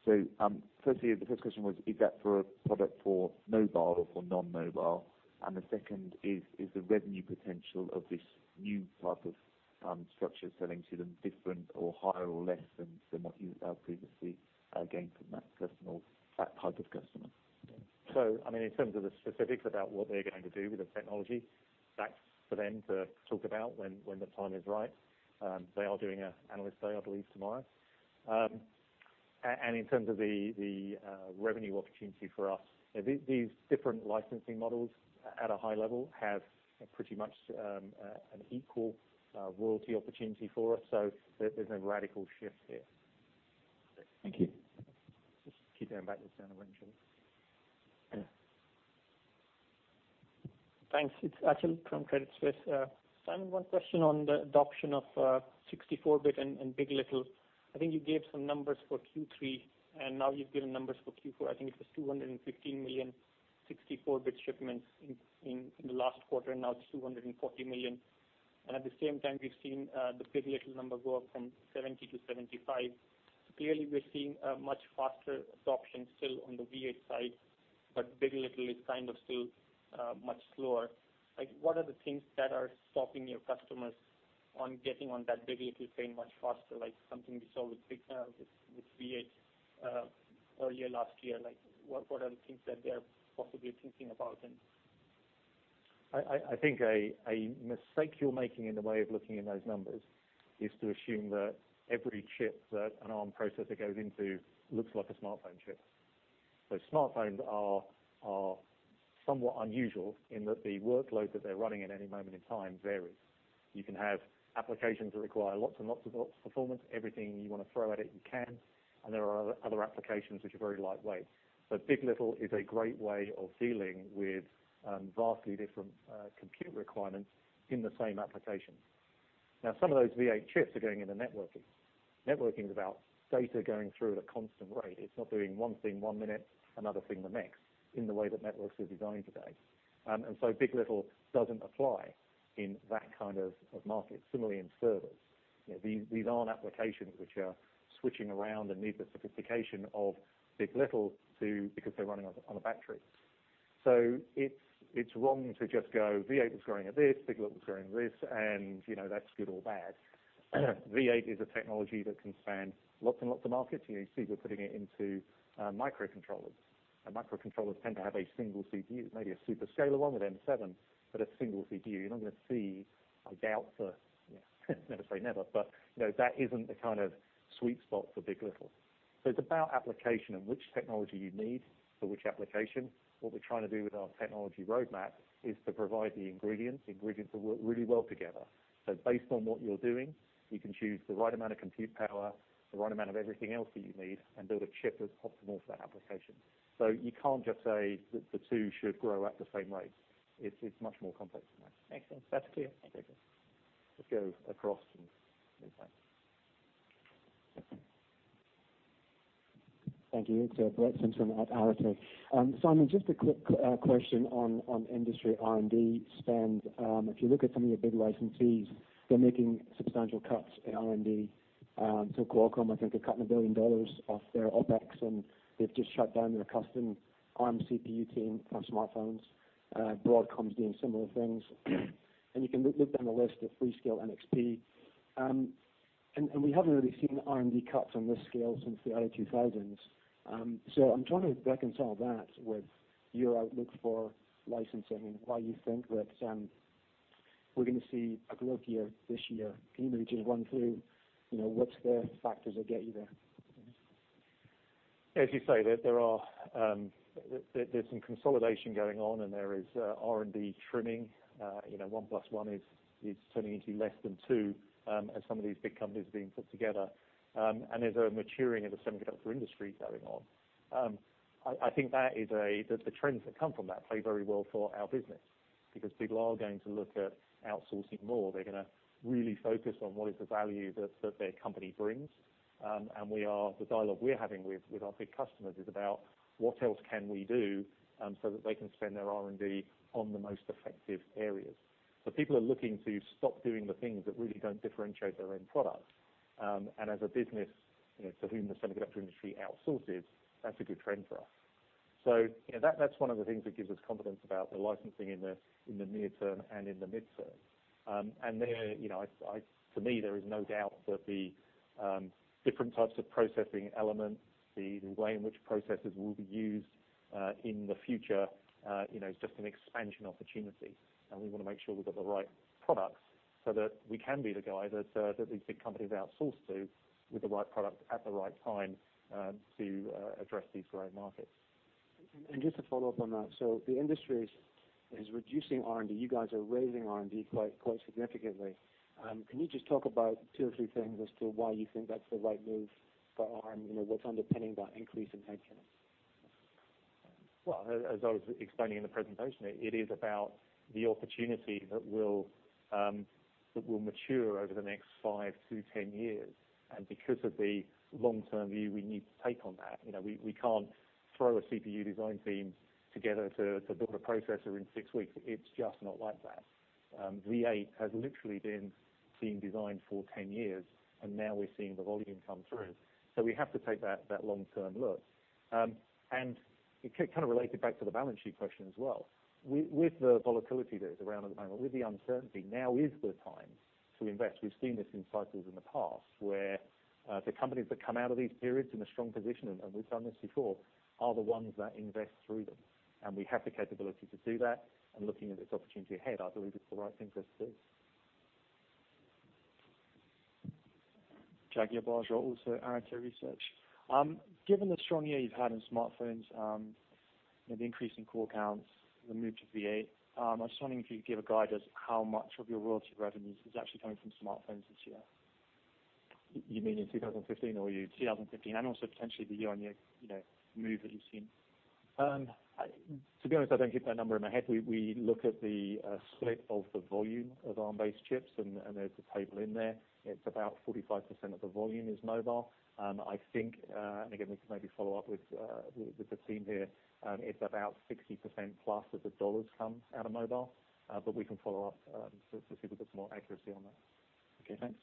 Firstly, the first question was, is that for a product for mobile or for non-mobile? The second is the revenue potential of this new type of structure selling to them different or higher or less than what you've previously gained from that type of customer? In terms of the specifics about what they're going to do with the technology, that's for them to talk about when the time is right. They are doing an analyst day, I believe, tomorrow. In terms of the revenue opportunity for us, these different licensing models at a high level have pretty much an equal royalty opportunity for us. There's no radical shift here. Thank you. Just keep going back the sound eventually. Yeah. Thanks. It's Achal from Credit Suisse. Simon, one question on the adoption of 64-bit and big. LITTLE. I think you gave some numbers for Q3, and now you've given numbers for Q4. I think it was 215 million 64-bit shipments in the last quarter, and now it's 240 million. At the same time, we've seen the big. LITTLE number go up from 70 to 75. Clearly, we're seeing a much faster adoption still on the V8 side, but big. LITTLE is still much slower. What are the things that are stopping your customers on getting on that big. LITTLE train much faster, like something we saw with V8 earlier last year? What are the things that they're possibly thinking about and I think a mistake you're making in the way of looking at those numbers is to assume that every chip that an Arm processor goes into looks like a smartphone chip. Smartphones are somewhat unusual in that the workload that they're running at any moment in time varies. You can have applications that require lots and lots of performance. Everything you want to throw at it, you can. There are other applications which are very lightweight. Big.LITTLE is a great way of dealing with vastly different compute requirements in the same application. Some of those V8 chips are going into networking. Networking is about data going through at a constant rate. It's not doing one thing one minute, another thing the next, in the way that networks are designed today. Big.LITTLE doesn't apply in that kind of market. Similarly in servers. These aren't applications which are switching around and need the sophistication of big. LITTLE because they're running on a battery. It's wrong to just go, V8 was growing at this, big. LITTLE was growing at this, and that's good or bad. V8 is a technology that can span lots and lots of markets. You see we're putting it into microcontrollers. Microcontrollers tend to have a single CPU, maybe a superscalar one with M7, but a single CPU. You're not going to see, Never say never, but that isn't the kind of sweet spot for big. LITTLE. It's about application and which technology you need for which application. What we're trying to do with our technology roadmap is to provide the ingredients. The ingredients that work really well together. Based on what you're doing, you can choose the right amount of compute power, the right amount of everything else that you need, and build a chip that's optimal for that application. You can't just say that the two should grow at the same rate. It's much more complex than that. Excellent. That's clear. Thank you. Let's go across from this way. Thank you. It's Brett Simpson at Arete. Simon, just a quick question on industry R&D spend. If you look at some of your big licensees, they're making substantial cuts in R&D. Qualcomm, I think they're cutting $1 billion off their OpEx, and they've just shut down their custom Arm CPU team on smartphones. Broadcom's doing similar things. You can look down the list of Freescale, NXP. We haven't really seen R&D cuts on this scale since the early 2000s. I'm trying to reconcile that with your outlook for licensing and why you think that we're going to see a growth year this year. Can you maybe just run through what the factors that get you there? As you say, there's some consolidation going on, and there is R&D trimming. One plus one is turning into less than two as some of these big companies are being put together. There's a maturing of the semiconductor industry going on. I think that the trends that come from that play very well for our business, because people are going to look at outsourcing more. They're going to really focus on what is the value that their company brings. The dialogue we're having with our big customers is about what else can we do so that they can spend their R&D on the most effective areas. People are looking to stop doing the things that really don't differentiate their end product. As a business to whom the semiconductor industry outsources, that's a good trend for us. That's one of the things that gives us confidence about the licensing in the near term and in the mid-term. To me, there is no doubt that the different types of processing elements, the way in which processors will be used in the future is just an expansion opportunity. We want to make sure we've got the right products so that we can be the guy that these big companies outsource to with the right product at the right time to address these growing markets. Just to follow up on that. The industry is reducing R&D. You guys are raising R&D quite significantly. Can you just talk about two or three things as to why you think that's the right move for Arm? What's underpinning that increase in head count? Well, as I was explaining in the presentation, it is about the opportunity that will mature over the next five to 10 years. Because of the long-term view we need to take on that. We can't throw a CPU design team together to build a processor in six weeks. It's just not like that. V8 has literally been being designed for 10 years. Now we're seeing the volume come through. We have to take that long-term look. It kind of related back to the balance sheet question as well. With the volatility that is around at the moment, with the uncertainty, now is the time to invest. We've seen this in cycles in the past where the companies that come out of these periods in a strong position, and we've done this before, are the ones that invest through them. We have the capability to do that. Looking at this opportunity ahead, I believe it's the right thing for us to do. Jaguar Bajwa, also Arete Research. Given the strong year you've had in smartphones, the increase in core counts, the move to V8, I was wondering if you could give a guide as how much of your royalty revenues is actually coming from smartphones this year. You mean in 2015? 2015, also potentially the year-on-year move that you've seen. To be honest, I don't keep that number in my head. We look at the split of the volume of Arm-based chips, and there's a table in there. It's about 45% of the volume is mobile. I think, and again, we can maybe follow up with the team here, it's about 60%+ of the dollars come out of mobile. We can follow up to see if we've got some more accuracy on that. Okay, thanks.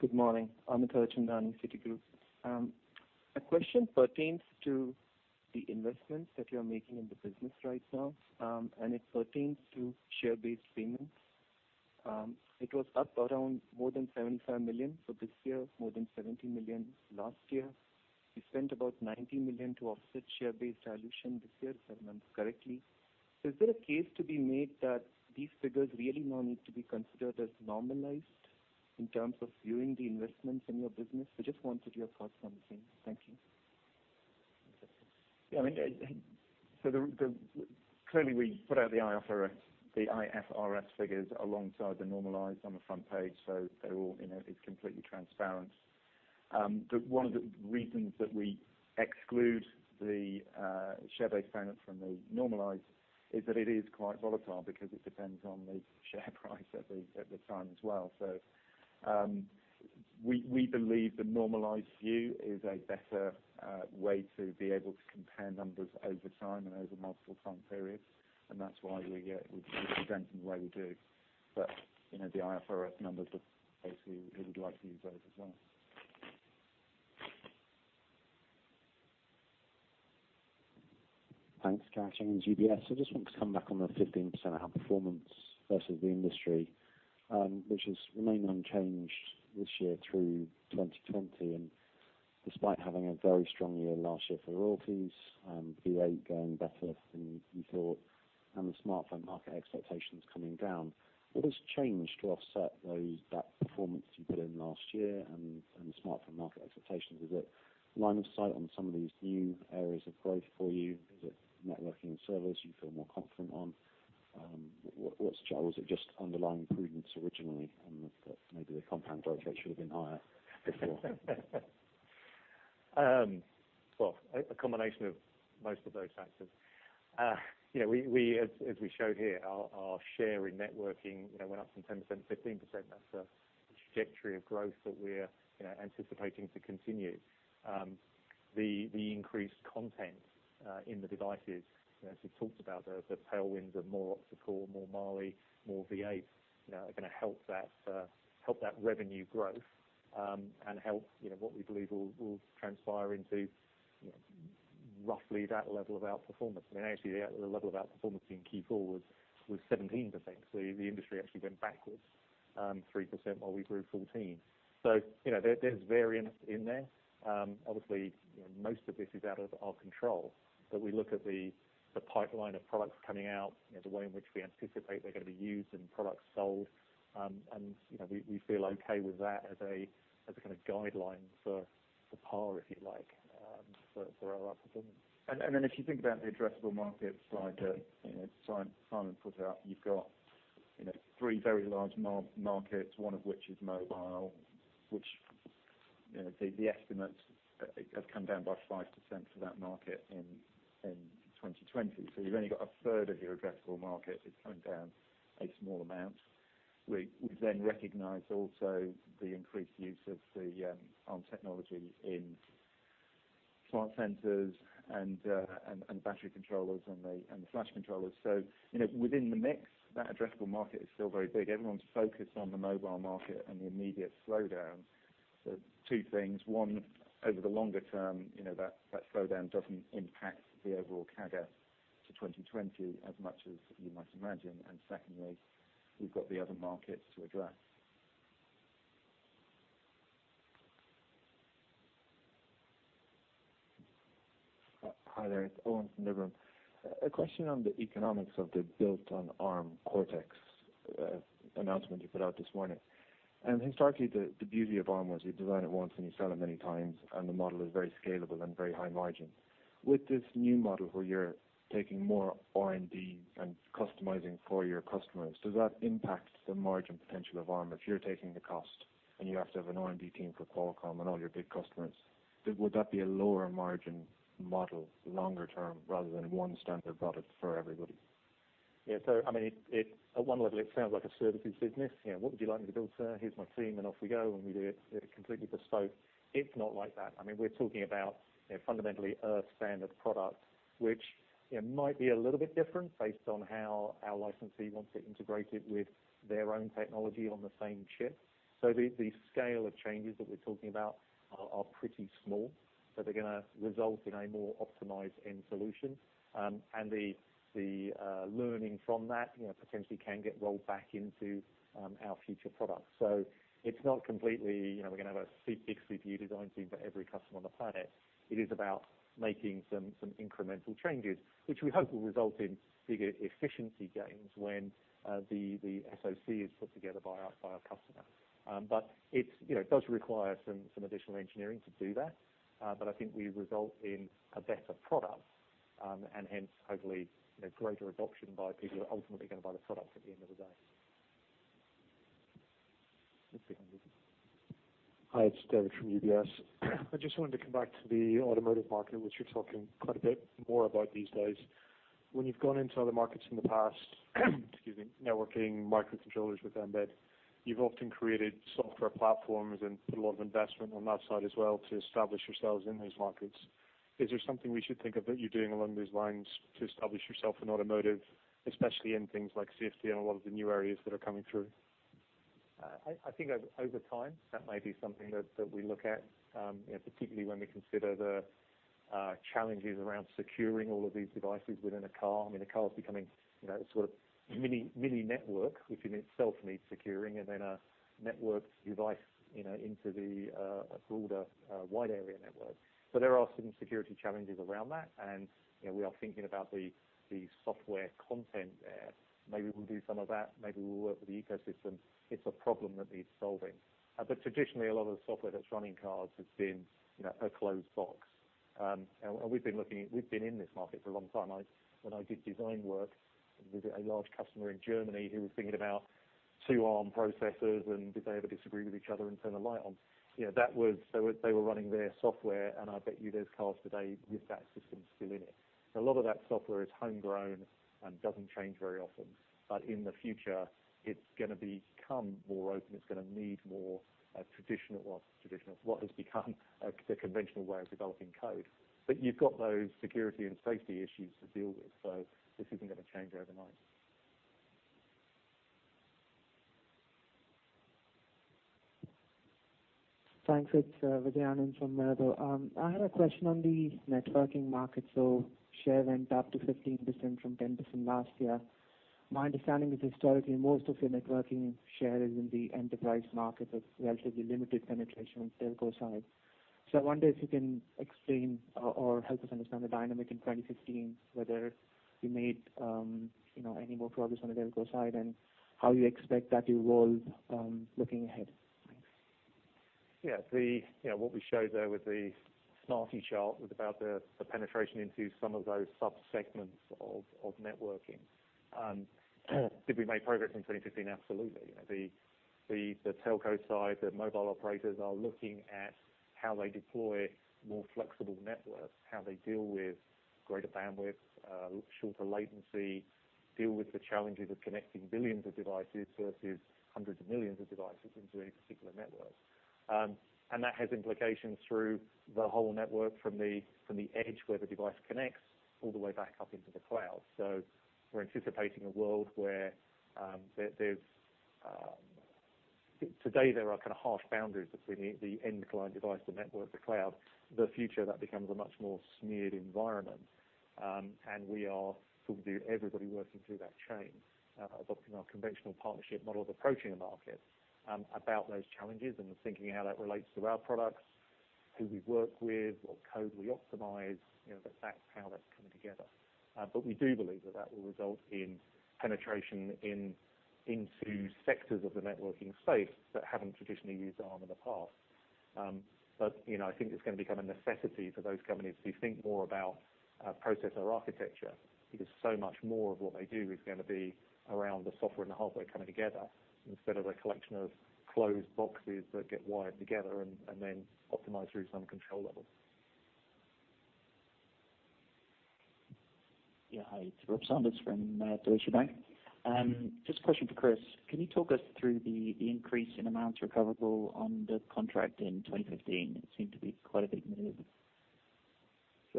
Good morning. Amit Harchandani, Citigroup. My question pertains to the investments that you're making in the business right now. It pertains to share-based payments. It was up around more than 75 million for this year, more than 70 million last year. You spent about 90 million to offset share-based dilution this year, if I remember correctly. Is there a case to be made that these figures really now need to be considered as normalized in terms of viewing the investments in your business? I just wanted your thoughts on the same. Thank you. Yeah. Clearly we put out the IFRS figures alongside the normalized on the front page. It's completely transparent. One of the reasons that we exclude the share-based payment from the normalized is that it is quite volatile because it depends on the share price at the time as well. We believe the normalized view is a better way to be able to compare numbers over time and over multiple time periods. That's why we present them the way we do. The IFRS numbers are there for those who would like to use those as well. Thanks. Gareth Jenkins, UBS. I just wanted to come back on the 15% outperformance versus the industry, which has remained unchanged this year through 2020 and despite having a very strong year last year for royalties, V8 going better than you thought, and the smartphone market expectations coming down, what has changed to offset that performance you put in last year and the smartphone market expectations? Is it line of sight on some of these new areas of growth for you? Is it networking and servers you feel more confident on? Was it just underlying prudence originally, and that maybe the compound growth rate should have been higher before? Well, a combination of most of those factors. As we show here, our share in networking went up from 10% to 15%. That's a trajectory of growth that we're anticipating to continue. The increased content in the devices, as we talked about, the tailwinds of more Cortex, more Mali, more V8, are going to help that revenue growth and help what we believe will transpire into roughly that level of outperformance. Actually, the level of outperformance in Q4 was 17%, so the industry actually went backwards 3% while we grew 14%. There's variance in there. Obviously, most of this is out of our control, but we look at the pipeline of products coming out, the way in which we anticipate they're going to be used and products sold. We feel okay with that as a guideline for par, if you like, for our outperformance. If you think about the addressable market slide that Simon put out, you've got three very large markets, one of which is mobile, which the estimates have come down by 5% for that market in 2020. You've only got a third of your addressable market that's coming down a small amount. We then recognize also the increased use of the Arm technology in smart sensors and battery controllers and the flash controllers. Within the mix, that addressable market is still very big. Everyone's focused on the mobile market and the immediate slowdown. Two things. One, over the longer term, that slowdown doesn't impact the overall CAGR to 2020 as much as you might imagine. Secondly, we've got the other markets to address. Hi there. It's Owen from Numis. A question on the economics of the Built on Arm Cortex Technology announcement you put out this morning. Historically, the beauty of Arm was you design it once and you sell it many times, and the model is very scalable and very high margin. With this new model where you're taking more R&D and customizing for your customers, does that impact the margin potential of Arm? If you're taking the cost and you have to have an R&D team for Qualcomm and all your big customers, would that be a lower margin model longer term rather than one standard product for everybody? Yeah. At one level, it sounds like a services business. "What would you like me to build, sir? Here's my team," and off we go, and we do it completely bespoke. It's not like that. We're talking about fundamentally a standard product which might be a little bit different based on how our licensee wants it integrated with their own technology on the same chip. The scale of changes that we're talking about are pretty small, but they're going to result in a more optimized end solution. The learning from that potentially can get rolled back into our future products. It's not completely, we're going to have a big CPU design team for every customer on the planet. It is about making some incremental changes, which we hope will result in bigger efficiency gains when the SoC is put together by our customer. It does require some additional engineering to do that. I think we result in a better product, and hence hopefully greater adoption by people who are ultimately going to buy the product at the end of the day. Just behind you. Hi, it's David from UBS. I just wanted to come back to the automotive market, which you're talking quite a bit more about these days. When you've gone into other markets in the past, excuse me, networking, microcontrollers with embedded, you've often created software platforms and put a lot of investment on that side as well to establish yourselves in those markets. Is there something we should think of that you're doing along these lines to establish yourself in automotive, especially in things like safety and a lot of the new areas that are coming through? I think over time, that might be something that we look at, particularly when we consider the challenges around securing all of these devices within a car. The car is becoming a sort of mini network, which in itself needs securing, and then a networked device into the broader wide area network. There are some security challenges around that, and we are thinking about the software content there. Maybe we'll do some of that. Maybe we'll work with the ecosystem. It's a problem that needs solving. Traditionally, a lot of the software that's run in cars has been a closed box. We've been in this market for a long time. When I did design work with a large customer in Germany who was thinking about two Arm processors and did they ever disagree with each other and turn a light on. They were running their software, I bet you there's cars today with that system still in it. A lot of that software is homegrown and doesn't change very often. In the future, it's going to become more open. It's going to need more what has become the conventional way of developing code. You've got those security and safety issues to deal with. This isn't going to change overnight. Thanks. It's Vidyanand from Merrill. I had a question on the networking market. Share went up to 15% from 10% last year. My understanding is historically, most of your networking share is in the enterprise market with relatively limited penetration on the telco side. I wonder if you can explain or help us understand the dynamic in 2015, whether you made any more progress on the telco side and how you expect that to evolve, looking ahead. Thanks. Yeah. What we showed there with the SMARTIE chart was about the penetration into some of those sub-segments of networking. Did we make progress in 2015? Absolutely. The telco side, the mobile operators are looking at how they deploy more flexible networks, how they deal with greater bandwidth, shorter latency, deal with the challenges of connecting billions of devices versus hundreds of millions of devices into a particular network. That has implications through the whole network from the edge where the device connects all the way back up into the cloud. We're anticipating a world where Today, there are kind of harsh boundaries between the end client device, the network, the cloud. The future, that becomes a much more smeared environment. We are talking to everybody working through that chain, adopting our conventional partnership model of approaching the market about those challenges and thinking how that relates to our products, who we work with, what code we optimize, that's how that's coming together. We do believe that will result in penetration into sectors of the networking space that haven't traditionally used Arm in the past. I think it's going to become a necessity for those companies to think more about processor architecture, because so much more of what they do is going to be around the software and the hardware coming together, instead of a collection of closed boxes that get wired together and then optimized through some control level. Yeah. Hi, it's Robert Sanders from Deutsche Bank. Just a question for Chris. Can you talk us through the increase in amounts recoverable under contract in 2015? It seemed to be quite a big move.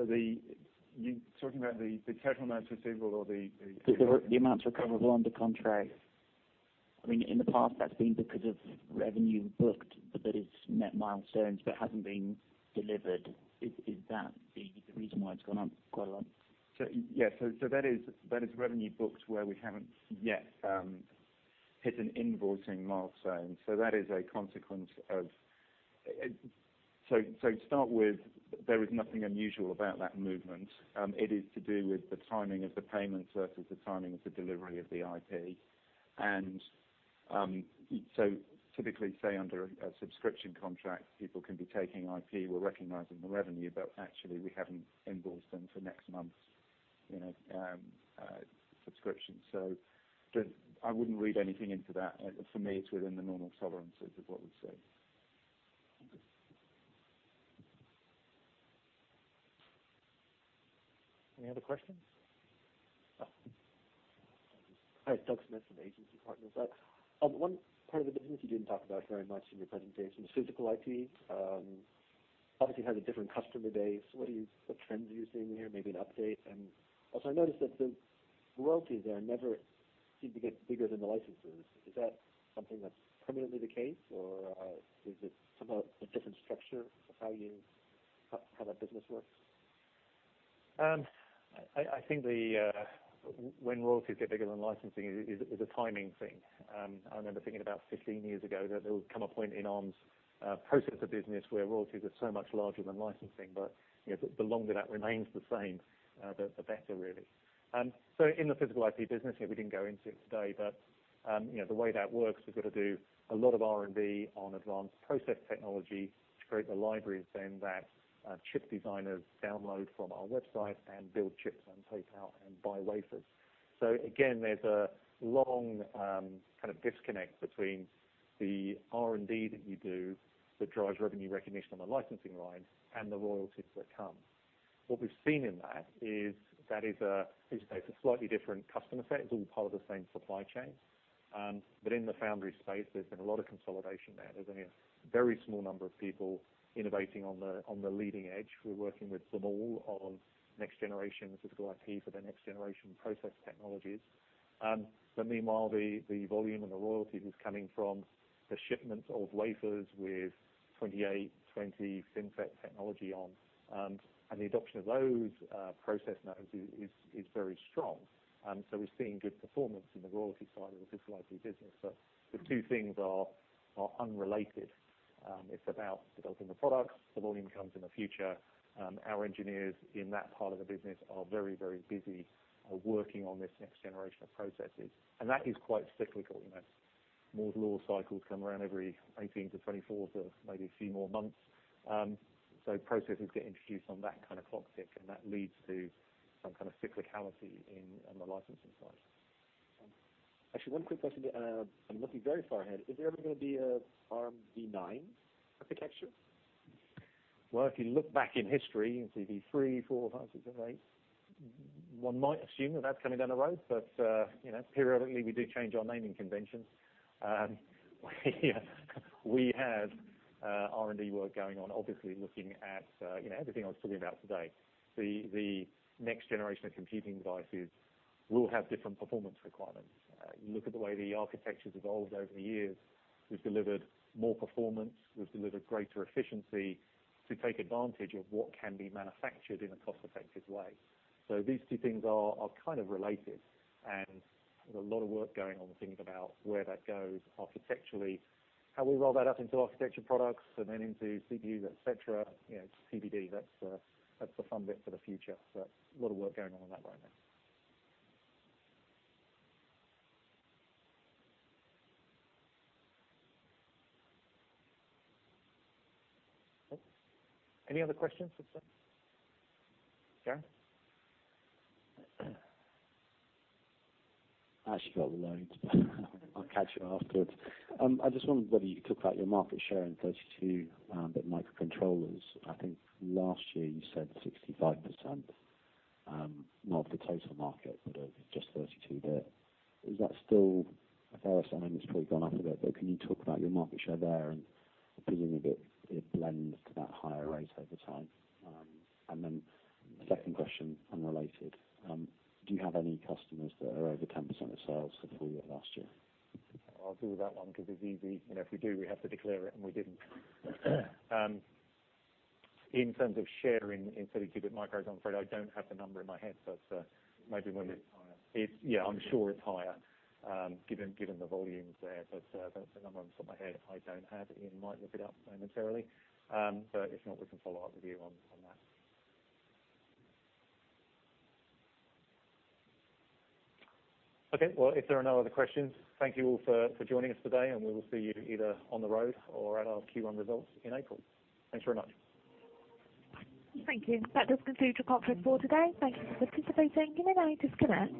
Are you talking about the total amounts receivable or? The amounts recoverable under contract. In the past, that's been because of revenue booked that is net milestones but hasn't been delivered. Is that the reason why it's gone up quite a lot? Yeah. That is revenue booked where we haven't yet hit an invoicing milestone. That is a consequence. To start with, there is nothing unusual about that movement. It is to do with the timing of the payment versus the timing of the delivery of the IP. Typically, say, under a subscription contract, people can be taking IP. We're recognizing the revenue, but actually, we haven't invoiced them for next month's subscription. I wouldn't read anything into that. For me, it's within the normal tolerances is what we'd say. Okay. Any other questions? Hi, Doug Smith from Agency Partners. One part of the business you didn't talk about very much in your presentation is physical IP. Obviously, it has a different customer base. What trends are you seeing here? Maybe an update. Also, I noticed that the royalties there never seem to get bigger than the licenses. Is that something that's permanently the case, or is it somehow a different structure of how that business works? I think when royalties get bigger than licensing is a timing thing. I remember thinking about 15 years ago that there would come a point in Arm's processor business where royalties are so much larger than licensing. The longer that remains the same, the better, really. In the physical IP business, we didn't go into it today, but the way that works, we've got to do a lot of R&D on advanced process technology to create the libraries then that chip designers download from our website and build chips and take out and buy wafers. Again, there's a long disconnect between the R&D that you do that drives revenue recognition on the licensing side and the royalties that come. What we've seen in that is that is a slightly different customer set. It's all part of the same supply chain. In the foundry space, there's been a lot of consolidation there. There's only a very small number of people innovating on the leading edge. We're working with them all on next generation physical IP for the next generation process technologies. Meanwhile, the volume and the royalties is coming from the shipments of wafers with 28, 20 FinFET technology on. The adoption of those process nodes is very strong. We're seeing good performance on the royalty side of the physical IP business. The two things are unrelated. It's about developing the products. The volume comes in the future. Our engineers in that part of the business are very busy working on this next generation of processes, and that is quite cyclical. Moore's law cycles come around every 18 to 24 to maybe a few more months. processes get introduced on that kind of clock tick, and that leads to some kind of cyclicality on the licensing side. Actually, one quick question. I'm looking very far ahead. Is there ever going to be an Armv9 architecture? Well, if you look back in history, you can see the three, four, five, six, seven, eight. One might assume that that's coming down the road, but periodically we do change our naming conventions. We have R&D work going on, obviously looking at everything I was talking about today. The next generation of computing devices will have different performance requirements. Look at the way the architecture's evolved over the years. We've delivered more performance. We've delivered greater efficiency to take advantage of what can be manufactured in a cost-effective way. These two things are kind of related, and there's a lot of work going on thinking about where that goes architecturally, how we roll that up into architecture products, and then into CPUs, et cetera. TBD, that's the fun bit for the future. A lot of work going on in that right now. Any other questions for Chris? Darren? I actually got loads, but I'll catch you afterwards. I just wondered whether you could talk about your market share in 32-bit microcontrollers. I think last year you said 65%, not of the total market, but of just 32-bit. Is that still a fair assumption? It's probably gone up a bit, but can you talk about your market share there and the feeling that it blends to that higher rate over time? Second question, unrelated. Do you have any customers that are over 10% of sales for the full year of last year? I'll deal with that one because it's easy. If we do, we have to declare it, and we didn't. In terms of share in 32-bit micros, I'm afraid I don't have the number in my head. It's higher. Yeah, I'm sure it's higher given the volumes there. That's a number off the top of my head I don't have. Ian might look it up momentarily. If not, we can follow up with you on that. Okay. Well, if there are no other questions, thank you all for joining us today, and we will see you either on the road or at our Q1 results in April. Thanks very much. Thank you. That does conclude your conference call today. Thank you for participating. You may now disconnect.